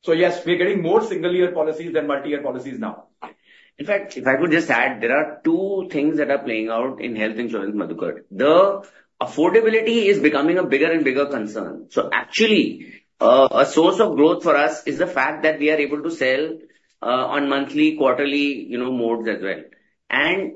So yes, we are getting more single year policies than multi-year policies now. In fact, if I could just add, there are two things that are playing out in health insurance, Madhukar. The affordability is becoming a bigger and bigger concern. So actually, a source of growth for us is the fact that we are able to sell, on monthly, quarterly, you know, modes as well. And-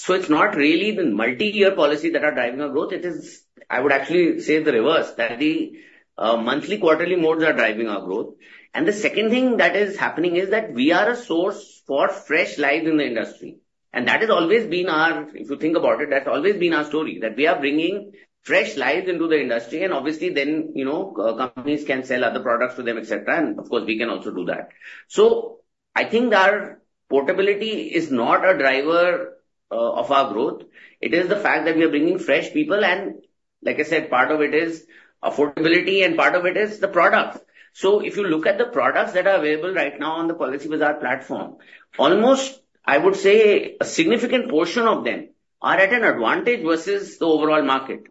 ...So it's not really the multi-year policies that are driving our growth, it is, I would actually say the reverse, that the monthly, quarterly modes are driving our growth. And the second thing that is happening is that we are a source for fresh lives in the industry, and that has always been our-- If you think about it, that's always been our story, that we are bringing fresh lives into the industry, and obviously, then, you know, companies can sell other products to them, et cetera, and of course, we can also do that. So I think that portability is not a driver of our growth. It is the fact that we are bringing fresh people, and like I said, part of it is affordability, and part of it is the products. So if you look at the products that are available right now on the Policybazaar platform, almost, I would say, a significant portion of them are at an advantage versus the overall market.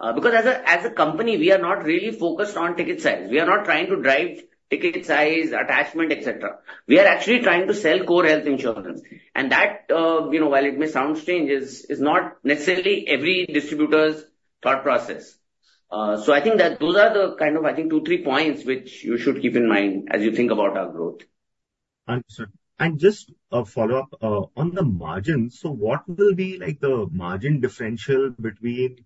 Because as a company, we are not really focused on ticket size. We are not trying to drive ticket size, attachment, et cetera. We are actually trying to sell core health insurance, and that, you know, while it may sound strange, is not necessarily every distributor's thought process. So I think that those are the kind of, I think, two, three points which you should keep in mind as you think about our growth. Understood. And just a follow-up on the margins, so what will be, like, the margin differential between,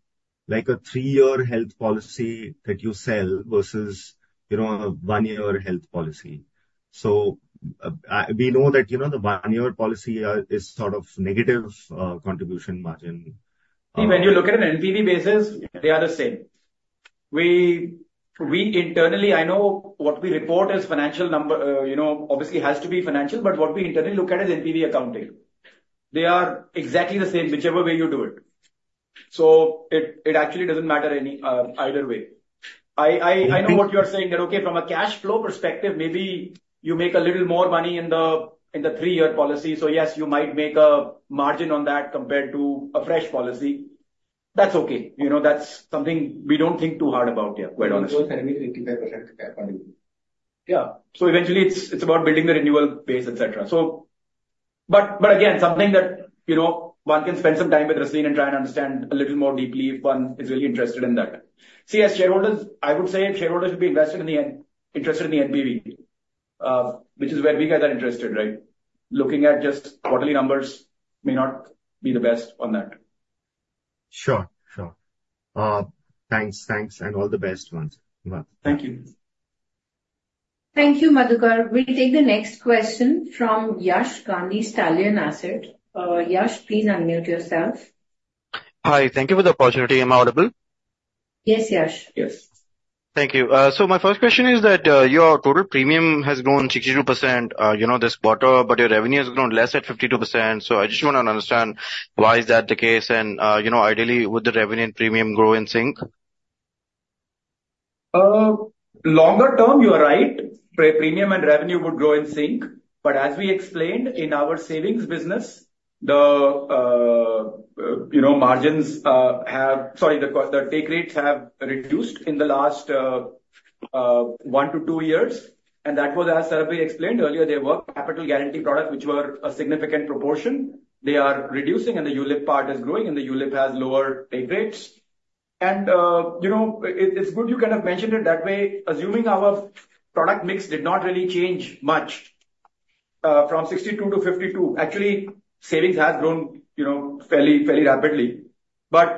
like, a three-year health policy that you sell versus, you know, a one-year health policy? So, we know that, you know, the one-year policy is sort of negative contribution margin. When you look at an NPV basis, they are the same. We, we internally, I know what we report as financial number, you know, obviously has to be financial, but what we internally look at is NPV accounting. They are exactly the same, whichever way you do it. So it, it actually doesn't matter any, either way. I, I, I know what you are saying, that, okay, from a cash flow perspective, maybe you make a little more money in the, in the three-year policy, so yes, you might make a margin on that compared to a fresh policy. That's okay. You know, that's something we don't think too hard about, yeah, quite honestly. Fifty-five percent. Yeah. So eventually, it's about building the renewal base, et cetera. So... But again, something that, you know, one can spend some time with Rasleen and try and understand a little more deeply if one is really interested in that. See, as shareholders, I would say shareholders should be invested in the end, interested in the NPV, which is where we guys are interested, right? Looking at just quarterly numbers may not be the best on that. Sure. Sure. Thanks, thanks, and all the best ones. Thank you. Thank you, Madhukar. We'll take the next question from Yash Gandhi, Stallion Asset. Yash, please unmute yourself. Hi. Thank you for the opportunity. Am I audible? Yes, Yash. Yes. Thank you. So my first question is that, your total premium has grown 62%, you know, this quarter, but your revenue has grown less at 52%. So I just want to understand why is that the case? And, you know, ideally, would the revenue and premium grow in sync? Longer term, you are right, premium and revenue would grow in sync. But as we explained in our savings business, the, you know, margins have- Sorry, the take rates have reduced in the last, 1 to 2 years, and that was as Sarbvir explained earlier, there were capital guarantee products, which were a significant proportion. They are reducing, and the ULIP part is growing, and the ULIP has lower take rates. And, you know, it, it's good you kind of mentioned it that way, assuming our product mix did not really change much, from 62 to 52. Actually, savings has grown, you know, fairly, fairly rapidly. But,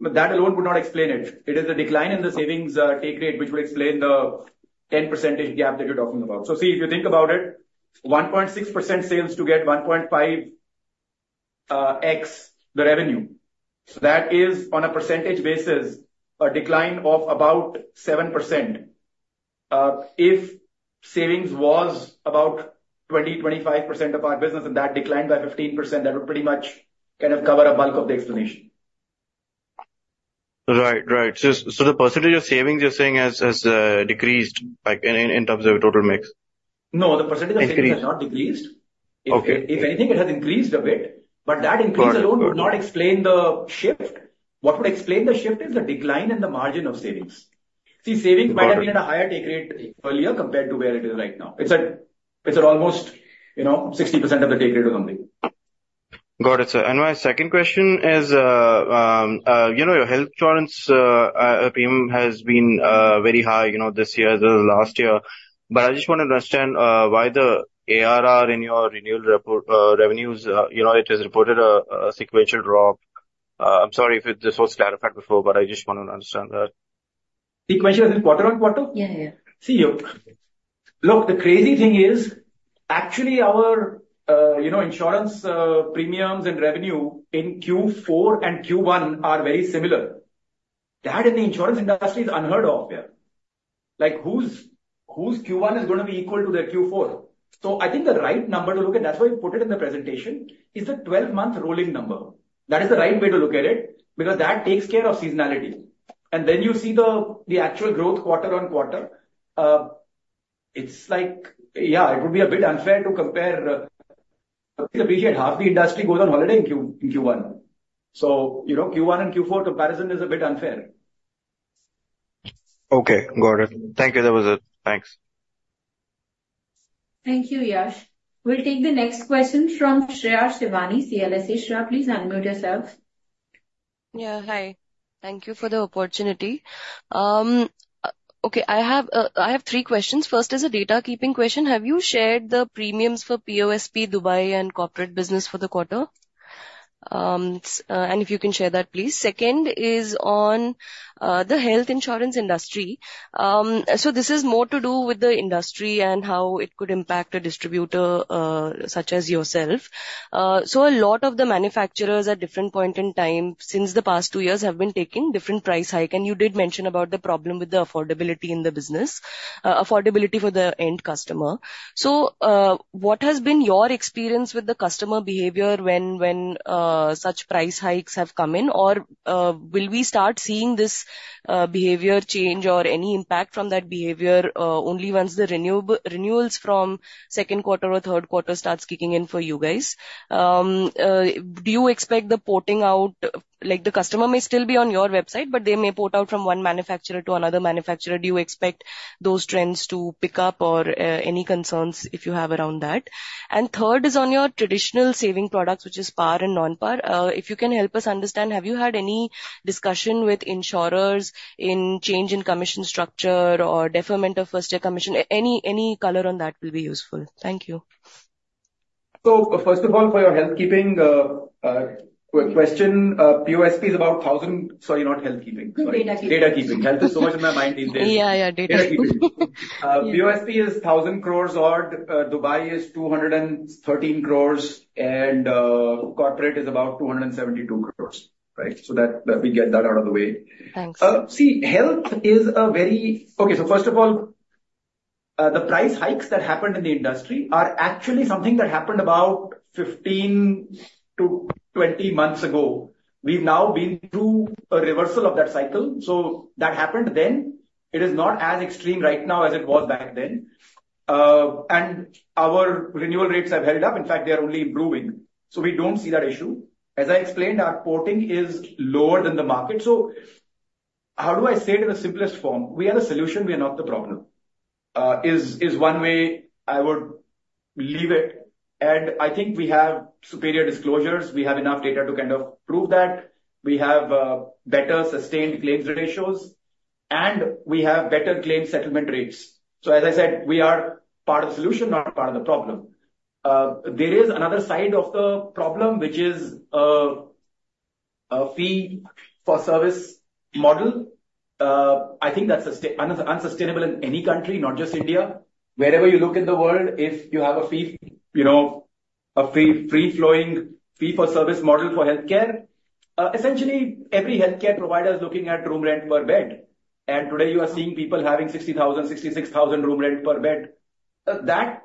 that alone would not explain it. It is the decline in the savings, take rate, which would explain the 10 percentage gap that you're talking about. So see, if you think about it, 1.6% sales to get 1.5x the revenue. So that is, on a percentage basis, a decline of about 7%. If savings was about 20-25% of our business, and that declined by 15%, that would pretty much kind of cover a bulk of the explanation. Right. Right. So the percentage of savings you're saying has decreased, like, in terms of total mix? No, the percentage of savings has not decreased. Okay. If anything, it has increased a bit, but that increase alone would not explain the shift. What would explain the shift is the decline in the margin of savings. See, savings might have been at a higher take rate earlier compared to where it is right now. It's at almost, you know, 60% of the take rate of the company. Got it, sir. My second question is, you know, your health insurance premium has been very high, you know, this year than last year, but I just want to understand why the ARR in your renewal revenues, you know, it has reported a sequential drop. I'm sorry if this was clarified before, but I just want to understand that. Sequence was in quarter-on-quarter? Yeah, yeah. See, look, the crazy thing is actually our, you know, insurance, premiums and revenue in Q4 and Q1 are very similar. That in the insurance industry is unheard of, yeah. Like, whose Q1 is going to be equal to their Q4? So I think the right number to look at, that's why we put it in the presentation, is the 12-month rolling number. That is the right way to look at it, because that takes care of seasonality. And then you see the actual growth quarter-over-quarter. It's like, yeah, it would be a bit unfair to compare, the period. Half the industry goes on holiday in Q1. So, you know, Q1 and Q4 comparison is a bit unfair. Okay, got it. Thank you. That was it. Thanks. Thank you, Yash. We'll take the next question from Shreya Shivani, CLSA. Shreya, please unmute yourself.... Yeah, hi. Thank you for the opportunity. Okay, I have three questions. First is a data keeping question: Have you shared the premiums for POSP, Dubai, and corporate business for the quarter? And if you can share that, please. Second is on the health insurance industry. So this is more to do with the industry and how it could impact a distributor, such as yourself. So a lot of the manufacturers at different point in time, since the past two years, have been taking different price hike, and you did mention about the problem with the affordability in the business, affordability for the end customer. So, what has been your experience with the customer behavior when such price hikes have come in, or will we start seeing this behavior change or any impact from that behavior only once the renewals from second quarter or third quarter starts kicking in for you guys? Do you expect the porting out. Like, the customer may still be on your website, but they may port out from one manufacturer to another manufacturer. Do you expect those trends to pick up, or any concerns if you have around that? And third is on your traditional saving products, which is par and non-par. If you can help us understand, have you had any discussion with insurers in change in commission structure or deferment of first year commission? Any color on that will be useful. Thank you. So first of all, for your health keeping question, POSP is about thousand... Sorry, not health keeping, sorry. Data keeping. Data keeping. Health is so much in my mind these days. Yeah, yeah, data. Data keeping. POSP is 1,000 crore odd, Dubai is 213 crore, and corporate is about 272 crore, right? So that, let me get that out of the way. Thanks. Okay, so first of all, the price hikes that happened in the industry are actually something that happened about 15-20 months ago. We've now been through a reversal of that cycle, so that happened then. It is not as extreme right now as it was back then. And our renewal rates have held up. In fact, they are only improving. So we don't see that issue. As I explained, our porting is lower than the market. So how do I say it in the simplest form? We are the solution, we are not the problem, is one way I would leave it. And I think we have superior disclosures. We have enough data to kind of prove that. We have better sustained claims ratios, and we have better claims settlement rates. So as I said, we are part of the solution, not part of the problem. There is another side of the problem, which is a fee for service model. I think that's unsustainable in any country, not just India. Wherever you look in the world, if you have a fee, you know, a fee, free flowing fee for service model for healthcare, essentially, every healthcare provider is looking at room rent per bed. And today, you are seeing people having 60,000, 66,000 room rent per bed. That,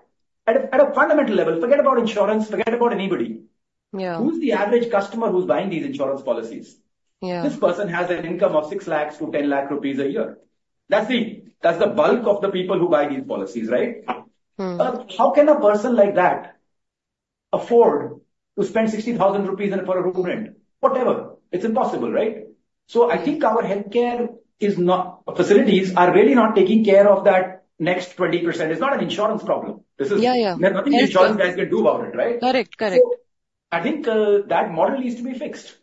at a fundamental level, forget about insurance, forget about anybody. Yeah. Who is the average customer who's buying these insurance policies? Yeah. This person has an income of 6 lakhs to 10 lakh rupees a year. That's the bulk of the people who buy these policies, right? Mm. How can a person like that afford to spend 60,000 rupees on a, for a room rent? Whatever. It's impossible, right? So I think our healthcare facilities are really not taking care of that next 20%. It's not an insurance problem. This is- Yeah, yeah. There's nothing the insurance guys can do about it, right? Correct, correct. I think, that model needs to be fixed.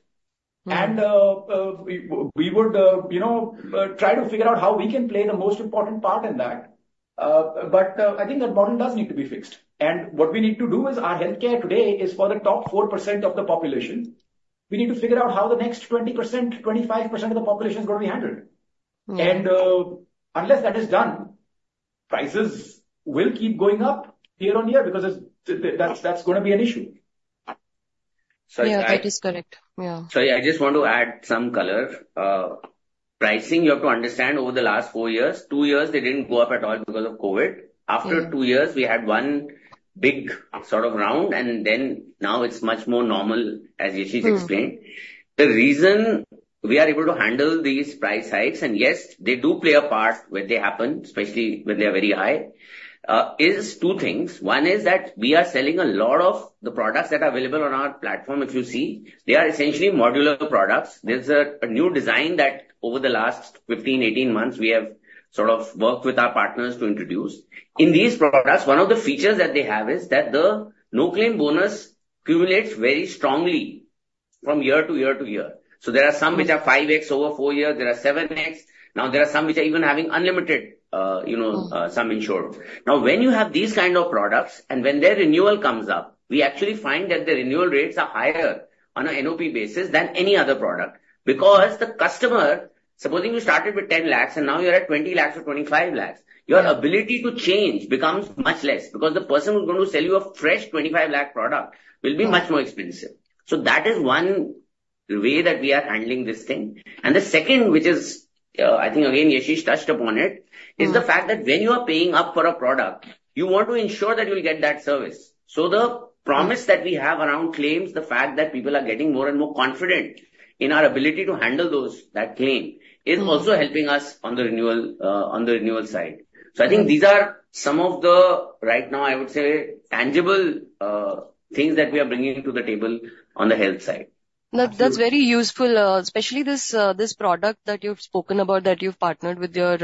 Mm. We would, you know, try to figure out how we can play the most important part in that. I think that model does need to be fixed. What we need to do is, our healthcare today is for the top 4% of the population. We need to figure out how the next 20%, 25% of the population is going to be handled. Mm. Unless that is done, prices will keep going up year on year, because that's gonna be an issue. Sorry, I- Yeah, that is correct. Yeah. Sorry, I just want to add some color. Pricing, you have to understand, over the last 4 years, 2 years, they didn't go up at all because of COVID. Yeah. After two years, we had one big sort of round, and then now it's much more normal, as Yashish explained. Mm. The reason we are able to handle these price hikes, and yes, they do play a part when they happen, especially when they are very high, is two things. One is that we are selling a lot of the products that are available on our platform, if you see. They are essentially modular products. There's a, a new design that over the last 15, 18 months, we have sort of worked with our partners to introduce. In these products, one of the features that they have is that the no-claim bonus cumulates very strongly from year to year to year. So there are some which are 5x over 4 years, there are 7x. Now, there are some which are even having unlimited, you know, Mm. sum insured. Now, when you have these kind of products, and when their renewal comes up, we actually find that the renewal rates are higher on an NPV basis than any other product. Because the customer, supposing you started with 10 lakh and now you're at 20 lakh or 25 lakh, your ability to change becomes much less, because the person who's going to sell you a fresh 25 lakh product will be much more expensive. So that is one way that we are handling this thing. And the second, which is, I think again, Yashish touched upon it- Mm... is the fact that when you are paying up for a product, you want to ensure that you'll get that service. So the promise that we have around claims, the fact that people are getting more and more confident in our ability to handle those, that claim, is also helping us on the renewal, on the renewal side. Mm. So I think these are some of the, right now, I would say, tangible things that we are bringing to the table on the health side. That's, that's very useful, especially this, this product that you've spoken about, that you've partnered with your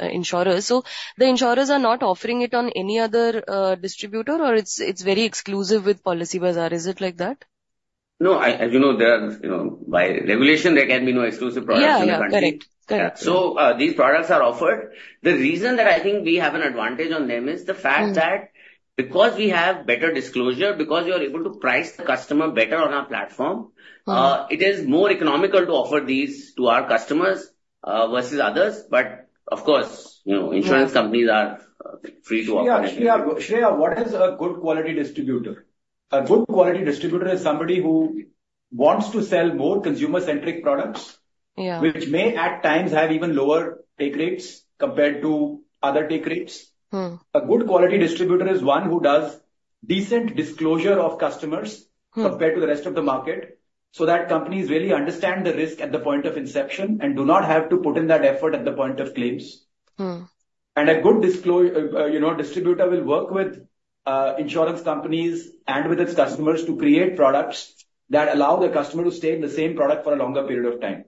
insurers. So the insurers are not offering it on any other distributor, or it's, it's very exclusive with Policybazaar? Is it like that? ...No, as you know, there are, you know, by regulation, there can be no exclusive products in the country. Yeah, yeah. Correct. Correct. These products are offered. The reason that I think we have an advantage on them is the fact that- Mm. because we have better disclosure, because we are able to price the customer better on our platform. Mm. It is more economical to offer these to our customers, versus others. But of course, you know- Yeah. Reinsurance companies are free to operate. Shreya, Shreya, Shreya, what is a good quality distributor? A good quality distributor is somebody who wants to sell more consumer-centric products. Yeah. Which may, at times, have even lower take rates compared to other take rates. Mm. A good quality distributor is one who does decent disclosure of customers- Mm... compared to the rest of the market, so that companies really understand the risk at the point of inception and do not have to put in that effort at the point of claims. Mm. A good distributor will work with insurance companies and with its customers to create products that allow the customer to stay in the same product for a longer period of time.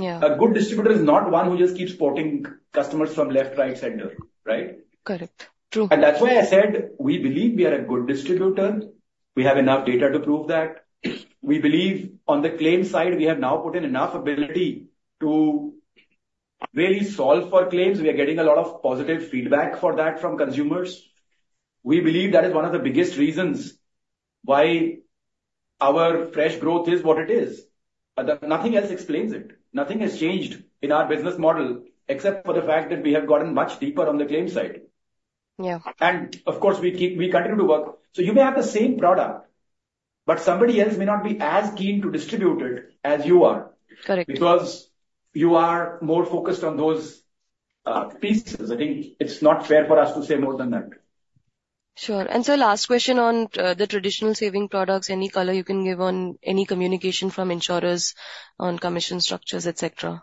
Yeah. A good distributor is not one who just keeps porting customers from left, right, center. Right? Correct. True. That's why I said we believe we are a good distributor. We have enough data to prove that. We believe on the claims side, we have now put in enough ability to really solve for claims. We are getting a lot of positive feedback for that from consumers. We believe that is one of the biggest reasons why our fresh growth is what it is. Nothing else explains it. Nothing has changed in our business model, except for the fact that we have gotten much deeper on the claims side. Yeah. Of course, we continue to work. So you may have the same product, but somebody else may not be as keen to distribute it as you are. Correct. Because you are more focused on those pieces. I think it's not fair for us to say more than that. Sure. And so last question on the traditional savings products. Any color you can give on any communication from insurers on commission structures, et cetera?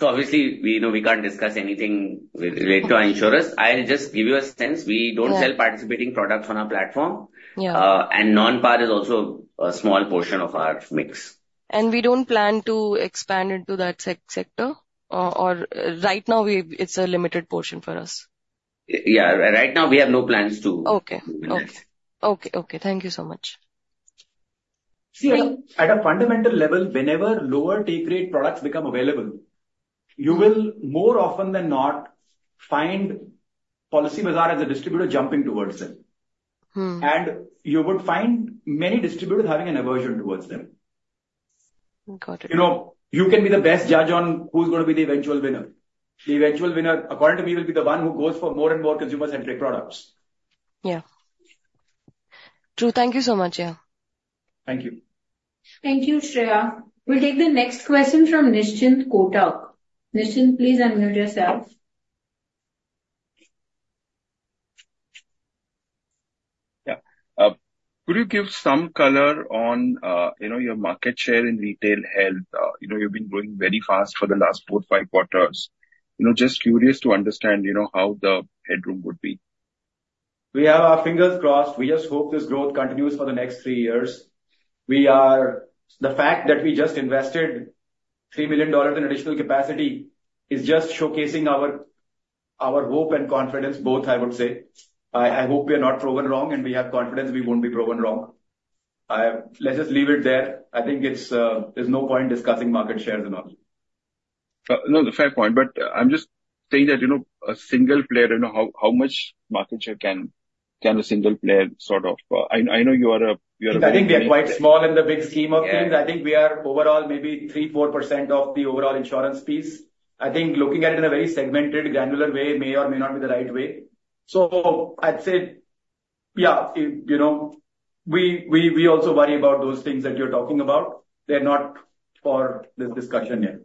Obviously, we know we can't discuss anything related to our insurers. Okay. I'll just give you a sense. Yeah. We don't sell participating products on our platform. Yeah. Non-Par is also a small portion of our mix. We don't plan to expand into that sector right now. It's a limited portion for us? Yeah. Right now, we have no plans to- Okay. Move in it. Okay, okay. Thank you so much. See, at a fundamental level, whenever lower take rate products become available, you will more often than not find Policybazaar as a distributor jumping towards them. Mm. You would find many distributors having an aversion toward them. Got it. You know, you can be the best judge on who's going to be the eventual winner. The eventual winner, according to me, will be the one who goes for more and more consumer-centric products. Yeah. True. Thank you so much, yeah. Thank you. Thank you, Shreya. We'll take the next question from Nischint Chawathe. Nischint, please unmute yourself. Yeah, could you give some color on, you know, your market share in retail health? You know, you've been growing very fast for the last 4, 5 quarters. You know, just curious to understand, you know, how the headroom would be. We have our fingers crossed. We just hope this growth continues for the next three years. The fact that we just invested $3 million in additional capacity is just showcasing our hope and confidence, both, I would say. I hope we are not proven wrong, and we have confidence we won't be proven wrong. Let's just leave it there. I think it's, there's no point discussing market shares and all. No, fair point, but I'm just saying that, you know, a single player, you know, how much market share can a single player sort of... I know you are a, you are a- I think we are quite small in the big scheme of things. Yeah. I think we are overall maybe 3%-4% of the overall insurance piece. I think looking at it in a very segmented, granular way, may or may not be the right way. So I'd say, yeah, it—you know, we, we, we also worry about those things that you're talking about. They're not for this discussion here.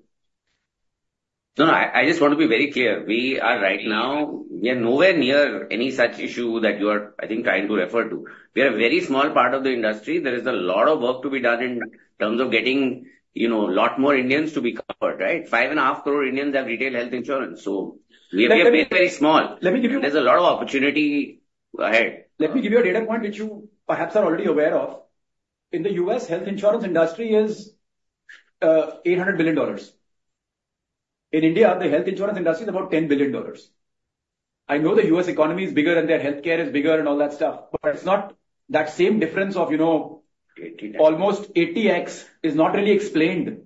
No, no, I, I just want to be very clear. We are right now, we are nowhere near any such issue that you are, I think, trying to refer to. We are a very small part of the industry. There is a lot of work to be done in terms of getting, you know, a lot more Indians to be covered, right? 5.5 crore Indians have retail health insurance, so we are very, very small. Let me give you- There's a lot of opportunity ahead. Let me give you a data point, which you perhaps are already aware of. In the U.S., health insurance industry is $800 billion. In India, the health insurance industry is about $10 billion. I know the U.S. economy is bigger and their healthcare is bigger and all that stuff, but it's not that same difference of, you know- Eighty times. Almost 80X is not really explained.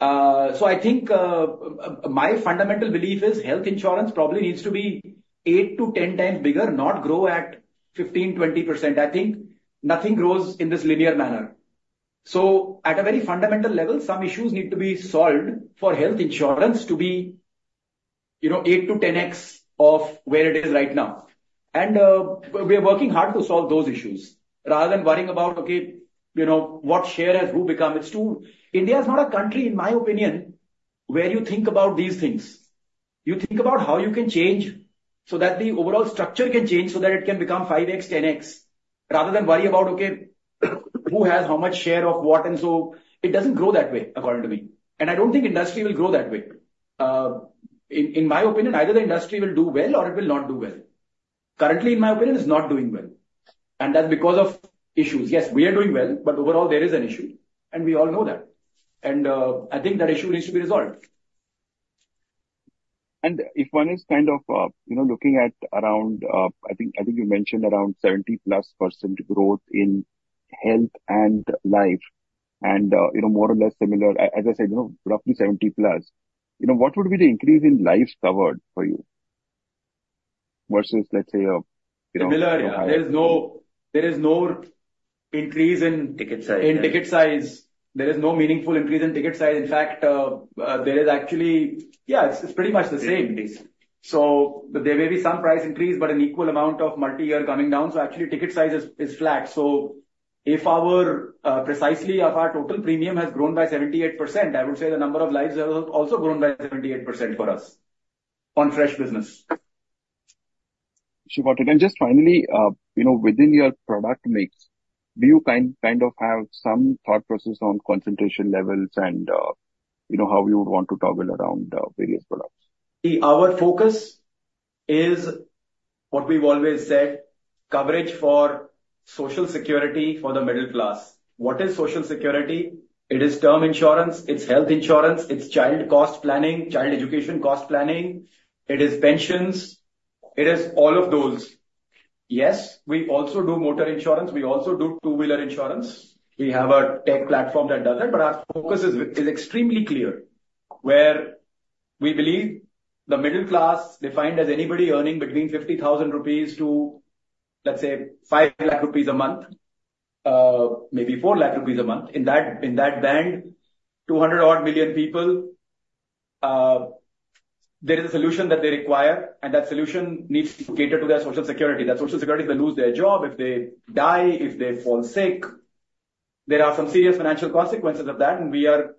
So I think my fundamental belief is health insurance probably needs to be 8-10 times bigger, not grow at 15%, 20%. I think nothing grows in this linear manner. So at a very fundamental level, some issues need to be solved for health insurance to be, you know, 8-10X of where it is right now. And we are working hard to solve those issues. Rather than worrying about, okay, you know, what share has who become, it's too. India is not a country, in my opinion, where you think about these things. You think about how you can change, so that the overall structure can change, so that it can become 5X, 10X, rather than worry about, okay, who has how much share of what and so. It doesn't grow that way, according to me, and I don't think industry will grow that way. In my opinion, either the industry will do well or it will not do well. Currently, in my opinion, it's not doing well, and that's because of issues. Yes, we are doing well, but overall there is an issue and we all know that, and I think that issue needs to be resolved.... And if one is kind of, you know, looking at around, I think, I think you mentioned around 70%+ growth in health and life and, you know, more or less similar. As I said, you know, roughly 70%+, you know, what would be the increase in lives covered for you versus, let's say, Similar, yeah. There is no increase in- Ticket size. In ticket size. There is no meaningful increase in ticket size. In fact, there is actually... Yeah, it's, it's pretty much the same. It is. So there may be some price increase, but an equal amount of multi-year coming down, so actually, ticket size is flat. So if our precisely if our total premium has grown by 78%, I would say the number of lives have also grown by 78% for us on fresh business. Sure, but, and just finally, you know, within your product mix, do you kind of have some thought process on concentration levels and, you know, how you would want to toggle around various products? See, our focus is what we've always said, coverage for social security for the middle class. What is social security? It is term insurance, it's health insurance, it's child cost planning, child education cost planning, it is pensions, it is all of those. Yes, we also do motor insurance, we also do two-wheeler insurance. We have a tech platform that does it, but our focus is extremely clear, where we believe the middle class, defined as anybody earning between 50,000 rupees to, let's say, 500,000 rupees a month, maybe 400,000 rupees a month. In that band, 200-odd million people, there is a solution that they require, and that solution needs to cater to their social security. Their social security, if they lose their job, if they die, if they fall sick, there are some serious financial consequences of that, and we are,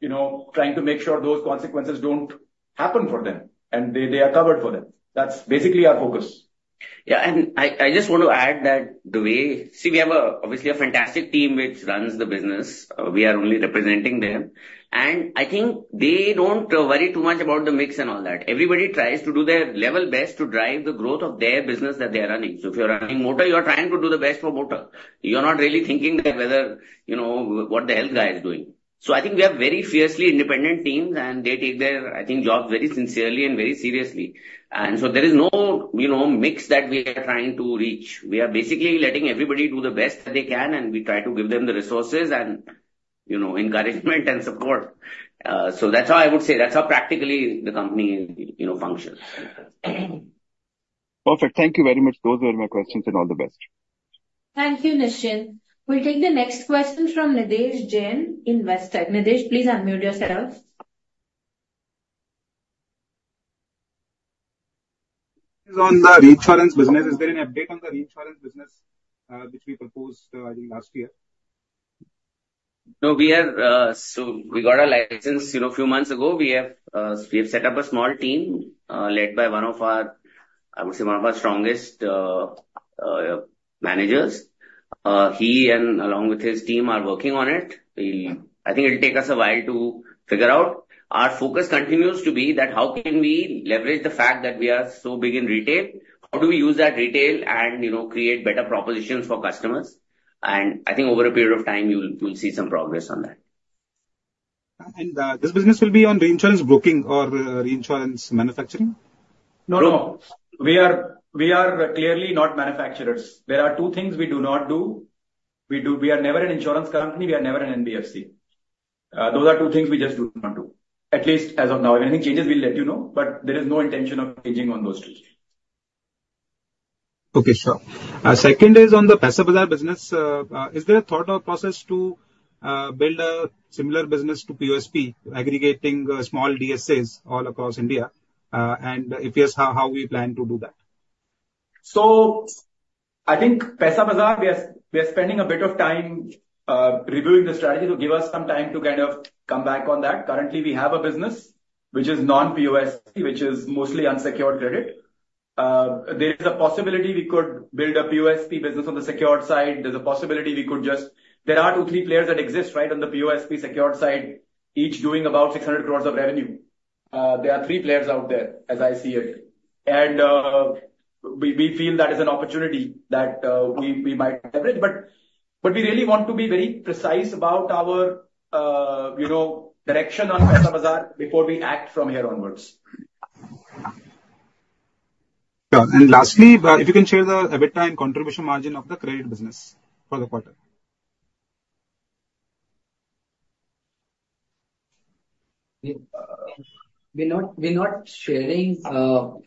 you know, trying to make sure those consequences don't happen for them, and they are covered for them. That's basically our focus. Yeah, and I just want to add that the way. See, we have, obviously, a fantastic team which runs the business. We are only representing them. I think they don't worry too much about the mix and all that. Everybody tries to do their level best to drive the growth of their business that they are running. So if you're running motor, you are trying to do the best for motor. You're not really thinking that whether, you know, what the health guy is doing. So I think we have very fiercely independent teams, and they take their, I think, jobs very sincerely and very seriously. And so there is no, you know, mix that we are trying to reach. We are basically letting everybody do the best that they can, and we try to give them the resources and, you know, encouragement and support. So that's how I would say, that's how practically the company, you know, functions. Perfect. Thank you very much. Those were my questions and all the best. Thank you, Nischint. We'll take the next question from Nidhesh Jain, Investec. Nidesh, please unmute yourself. On the reinsurance business, is there any update on the reinsurance business, which we proposed, I think last year? No, we are. So we got a license, you know, a few months ago. We have, we have set up a small team, led by one of our, I would say, one of our strongest, managers. He and along with his team are working on it. We'll. I think it'll take us a while to figure out. Our focus continues to be that how can we leverage the fact that we are so big in retail? How do we use that retail and, you know, create better propositions for customers? And I think over a period of time, you will, you will see some progress on that. This business will be on reinsurance booking or reinsurance manufacturing? No, no. We are, we are clearly not manufacturers. There are two things we do not do. We are never an insurance company, we are never an NBFC. Those are two things we just do not do, at least as of now. If anything changes, we'll let you know, but there is no intention of changing on those two. Okay, sure. Second is on the Paisabazaar business. Is there a thought or process to build a similar business to POSP, aggregating small DSAs all across India? And if yes, how we plan to do that? So I think Paisabazaar, we are spending a bit of time reviewing the strategy, to give us some time to kind of come back on that. Currently, we have a business which is non-POSP, which is mostly unsecured credit. There is a possibility we could build a POSP business on the secured side. There's a possibility we could just—There are two, three players that exist, right, on the POSP secured side, each doing about 600 crore of revenue. There are three players out there, as I see it. And we feel that is an opportunity that we might leverage, but we really want to be very precise about our, you know, direction on Paisabazaar before we act from here onwards. Yeah. And lastly, if you can share the EBITDA and contribution margin of the credit business for the quarter. We're not, we're not sharing,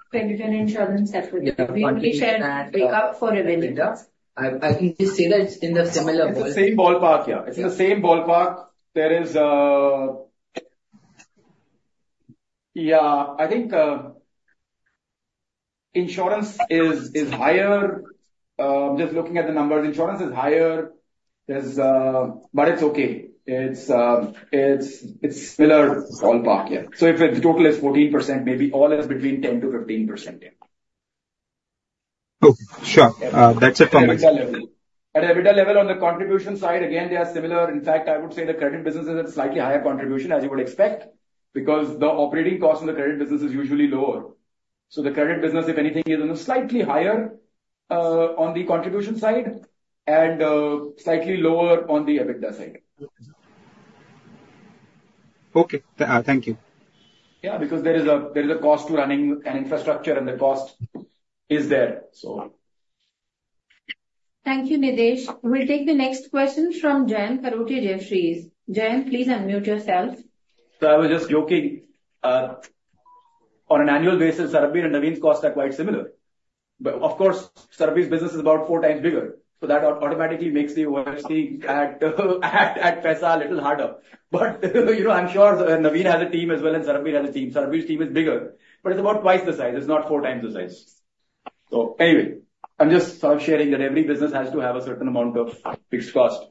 Credit and insurance separately. We will be sharing pick up for EBITDA. I, I think he said it in the similar way. It's the same ballpark, yeah. It's the same ballpark. There is... Yeah, I think, insurance is, is higher. Just looking at the numbers, insurance is higher. There's-- But it's okay. It's, it's similar ballpark, yeah. So if the total is 14%, maybe all is between 10%-15%, yeah. Cool. Sure. That's it from my end. At EBITDA level, at EBITDA level, on the contribution side, again, they are similar. In fact, I would say the credit business is at slightly higher contribution, as you would expect, because the operating cost on the credit business is usually lower. So the credit business, if anything, is on a slightly higher, on the contribution side and, slightly lower on the EBITDA side. ... Okay, thank you. Yeah, because there is a cost to running an infrastructure, and the cost is there, so on. Thank you, Nidesh. We'll take the next question from Jayant Kharote, Jefferies. Jayant, please unmute yourself. So I was just joking, on an annual basis, Sarbvir and Naveen's costs are quite similar. But of course, Sarbvir's business is about four times bigger, so that automatically makes the ROI at, at Paisa a little harder. But, you know, I'm sure Naveen has a team as well, and Sarbvir has a team. Sarbvir's team is bigger, but it's about twice the size. It's not four times the size. So anyway, I'm just sort of sharing that every business has to have a certain amount of fixed cost.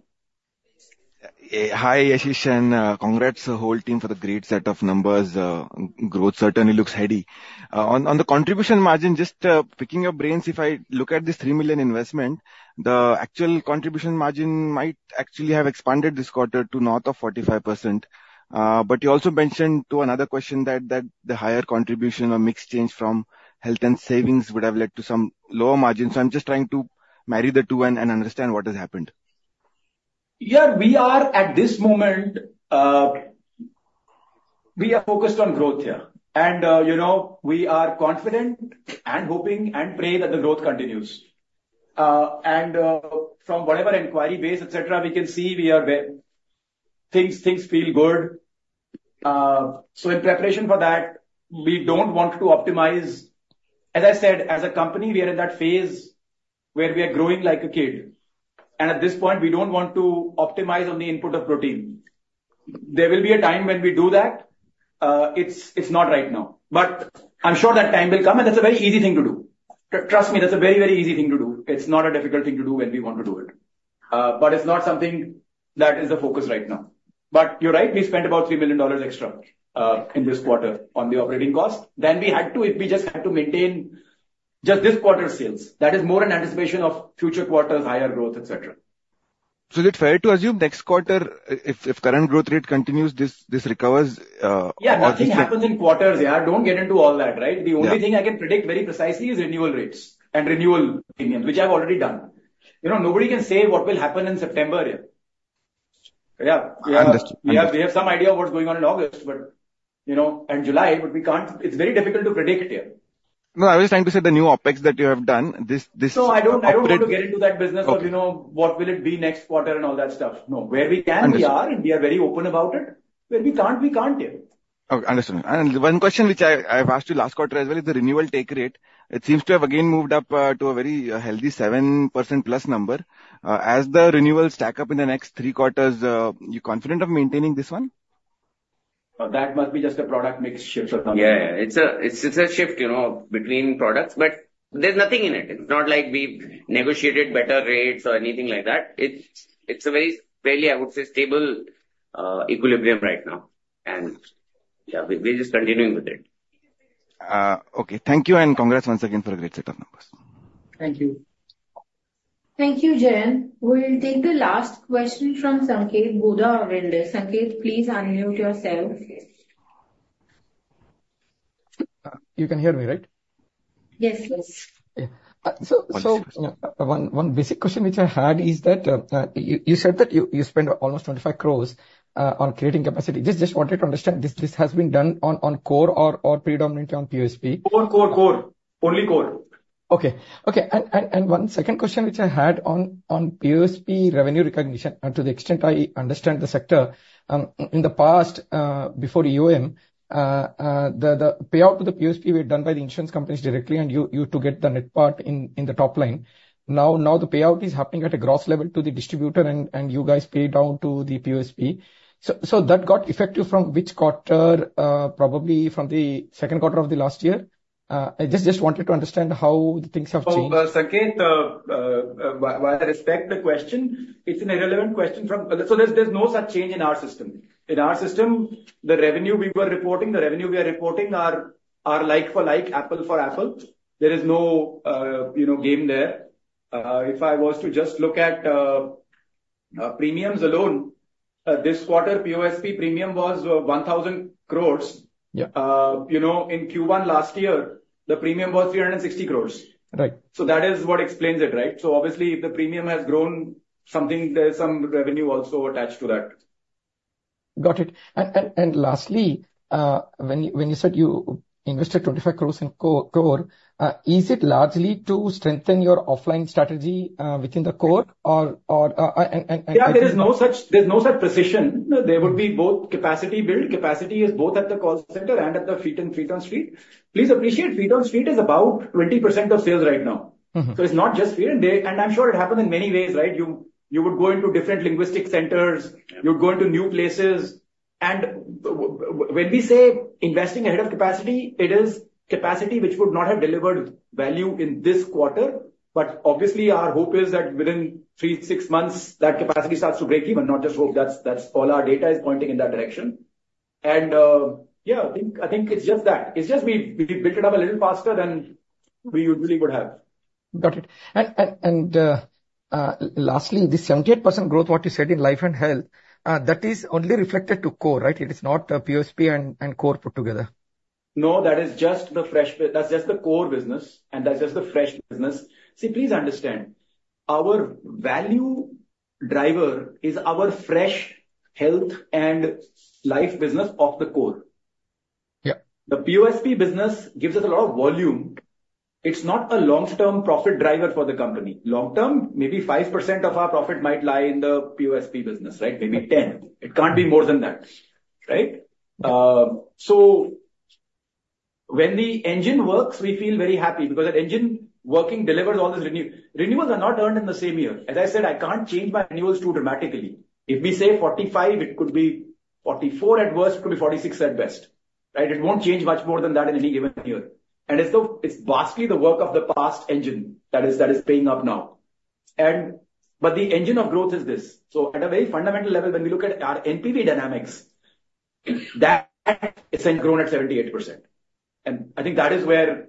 Hi, Yashish, and congrats, the whole team, for the great set of numbers. Growth certainly looks heady. On, on the contribution margin, just picking your brains. If I look at this 3 million investment, the actual contribution margin might actually have expanded this quarter to north of 45%. But you also mentioned to another question that the higher contribution or mix change from health and savings would have led to some lower margins. So I'm just trying to marry the two and understand what has happened. Yeah, we are at this moment, we are focused on growth, yeah. And, you know, we are confident and hoping and praying that the growth continues. And, from whatever inquiry base, et cetera, we can see we are where things, things feel good. So in preparation for that, we don't want to optimize. As I said, as a company, we are in that phase where we are growing like a kid, and at this point we don't want to optimize on the input of protein. There will be a time when we do that. It's, it's not right now. But I'm sure that time will come, and that's a very easy thing to do. Trust me, that's a very, very easy thing to do. It's not a difficult thing to do when we want to do it. But it's not something that is the focus right now. But you're right, we spent about $3 million extra, in this quarter on the operating cost than we had to, if we just had to maintain just this quarter's sales. That is more in anticipation of future quarters, higher growth, et cetera. Is it fair to assume next quarter, if current growth rate continues, this recovers, or- Yeah, nothing happens in quarters. Yeah, don't get into all that, right? Yeah. The only thing I can predict very precisely is renewal rates and renewal premiums, which I've already done. You know, nobody can say what will happen in September, yeah. Understood. Yeah, we have some idea of what's going on in August, but, you know, and July, but we can't. It's very difficult to predict here. No, I was trying to say the new OpEx that you have done, this, this- No, I don't, I don't want to get into that business of- Okay. You know, what will it be next quarter and all that stuff. No. Understood. Where we can be, we are, and we are very open about it. Where we can't, we can't yet. Okay, understood. And one question which I have asked you last quarter as well is the renewal take rate. It seems to have again moved up to a very healthy 7%+ number. As the renewals stack up in the next three quarters, you confident of maintaining this one? That must be just a product mix shift or something. Yeah. It's a shift, you know, between products, but there's nothing in it. It's not like we've negotiated better rates or anything like that. It's a very fairly, I would say, stable equilibrium right now. And, yeah, we're just continuing with it. Okay. Thank you, and congrats once again for a great set of numbers. Thank you. Thank you, Jayant. We'll take the last question from Sanket Godha, Avendus. Sanket, please unmute yourself. You can hear me, right? Yes, yes. Yeah. So, one basic question which I had is that you said that you spent almost 25 crore on creating capacity. Just wanted to understand, this has been done on core or predominantly on POSP? Core, core, core. Only core. Okay. Okay, and one second question, which I had on POSP revenue recognition, and to the extent I understand the sector, in the past, the payout to the POSP were done by the insurance companies directly, and you get the net part in the top line. Now the payout is happening at a gross level to the distributor, and you guys pay down to the POSP. So that got effective from which quarter? Probably from the second quarter of the last year. I just wanted to understand how things have changed. So, Sanket, while I respect the question, it's an irrelevant question from... So there's, there's no such change in our system. In our system, the revenue we were reporting, the revenue we are reporting are, are like for like, apple for apple. There is no, you know, game there. If I was to just look at, premiums alone, this quarter, POSP premium was 1,000 crore. Yeah. You know, in Q1 last year, the premium was 360 crore. Right. So that is what explains it, right? So obviously, if the premium has grown something, there's some revenue also attached to that. Got it. And lastly, when you said you invested 25 crore in core, is it largely to strengthen your offline strategy within the core or... Yeah, there is no such, there's no such precision. There would be both capacity build. Capacity is both at the call center and at the feet on street. Please appreciate, feet on street is about 20% of sales right now. Mm-hmm. It's not just feet on day, and I'm sure it happened in many ways, right? You would go into different linguistic centers. Yeah. You would go into new places. And when we say investing ahead of capacity, it is capacity which would not have delivered value in this quarter. But obviously, our hope is that within three to six months, that capacity starts to break even, not just hope. That's, that's all our data is pointing in that direction. And, yeah, I think, I think it's just that. It's just we, we built it up a little faster than we usually would have. Got it. And lastly, the 78% growth, what you said in life and health, that is only reflected to core, right? It is not the POSP and core put together. No, that is just the fresh business. That's just the core business, and that's just the fresh business. See, please understand, our value driver is our fresh health and life business of the core. Yeah. The POSP business gives us a lot of volume. It's not a long-term profit driver for the company. Long term, maybe 5% of our profit might lie in the POSP business, right? Maybe 10. It can't be more than that, right? So when the engine works, we feel very happy because that engine working delivers all this renew... Renewals are not earned in the same year. As I said, I can't change my renewals too dramatically. If we say 45, it could be 44 at worst, it could be 46 at best, right? It won't change much more than that in any given year. It's vastly the work of the past engine that is paying off now. But the engine of growth is this. At a very fundamental level, when we look at our NPV dynamics, that has grown at 78%, and I think that is where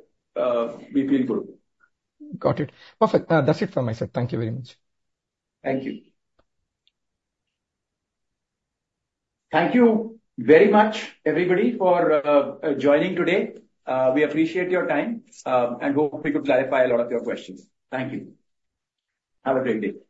we feel good. Got it. Perfect. That's it from my side. Thank you very much. Thank you. Thank you very much, everybody, for joining today. We appreciate your time, and hope we could clarify a lot of your questions. Thank you. Have a great day.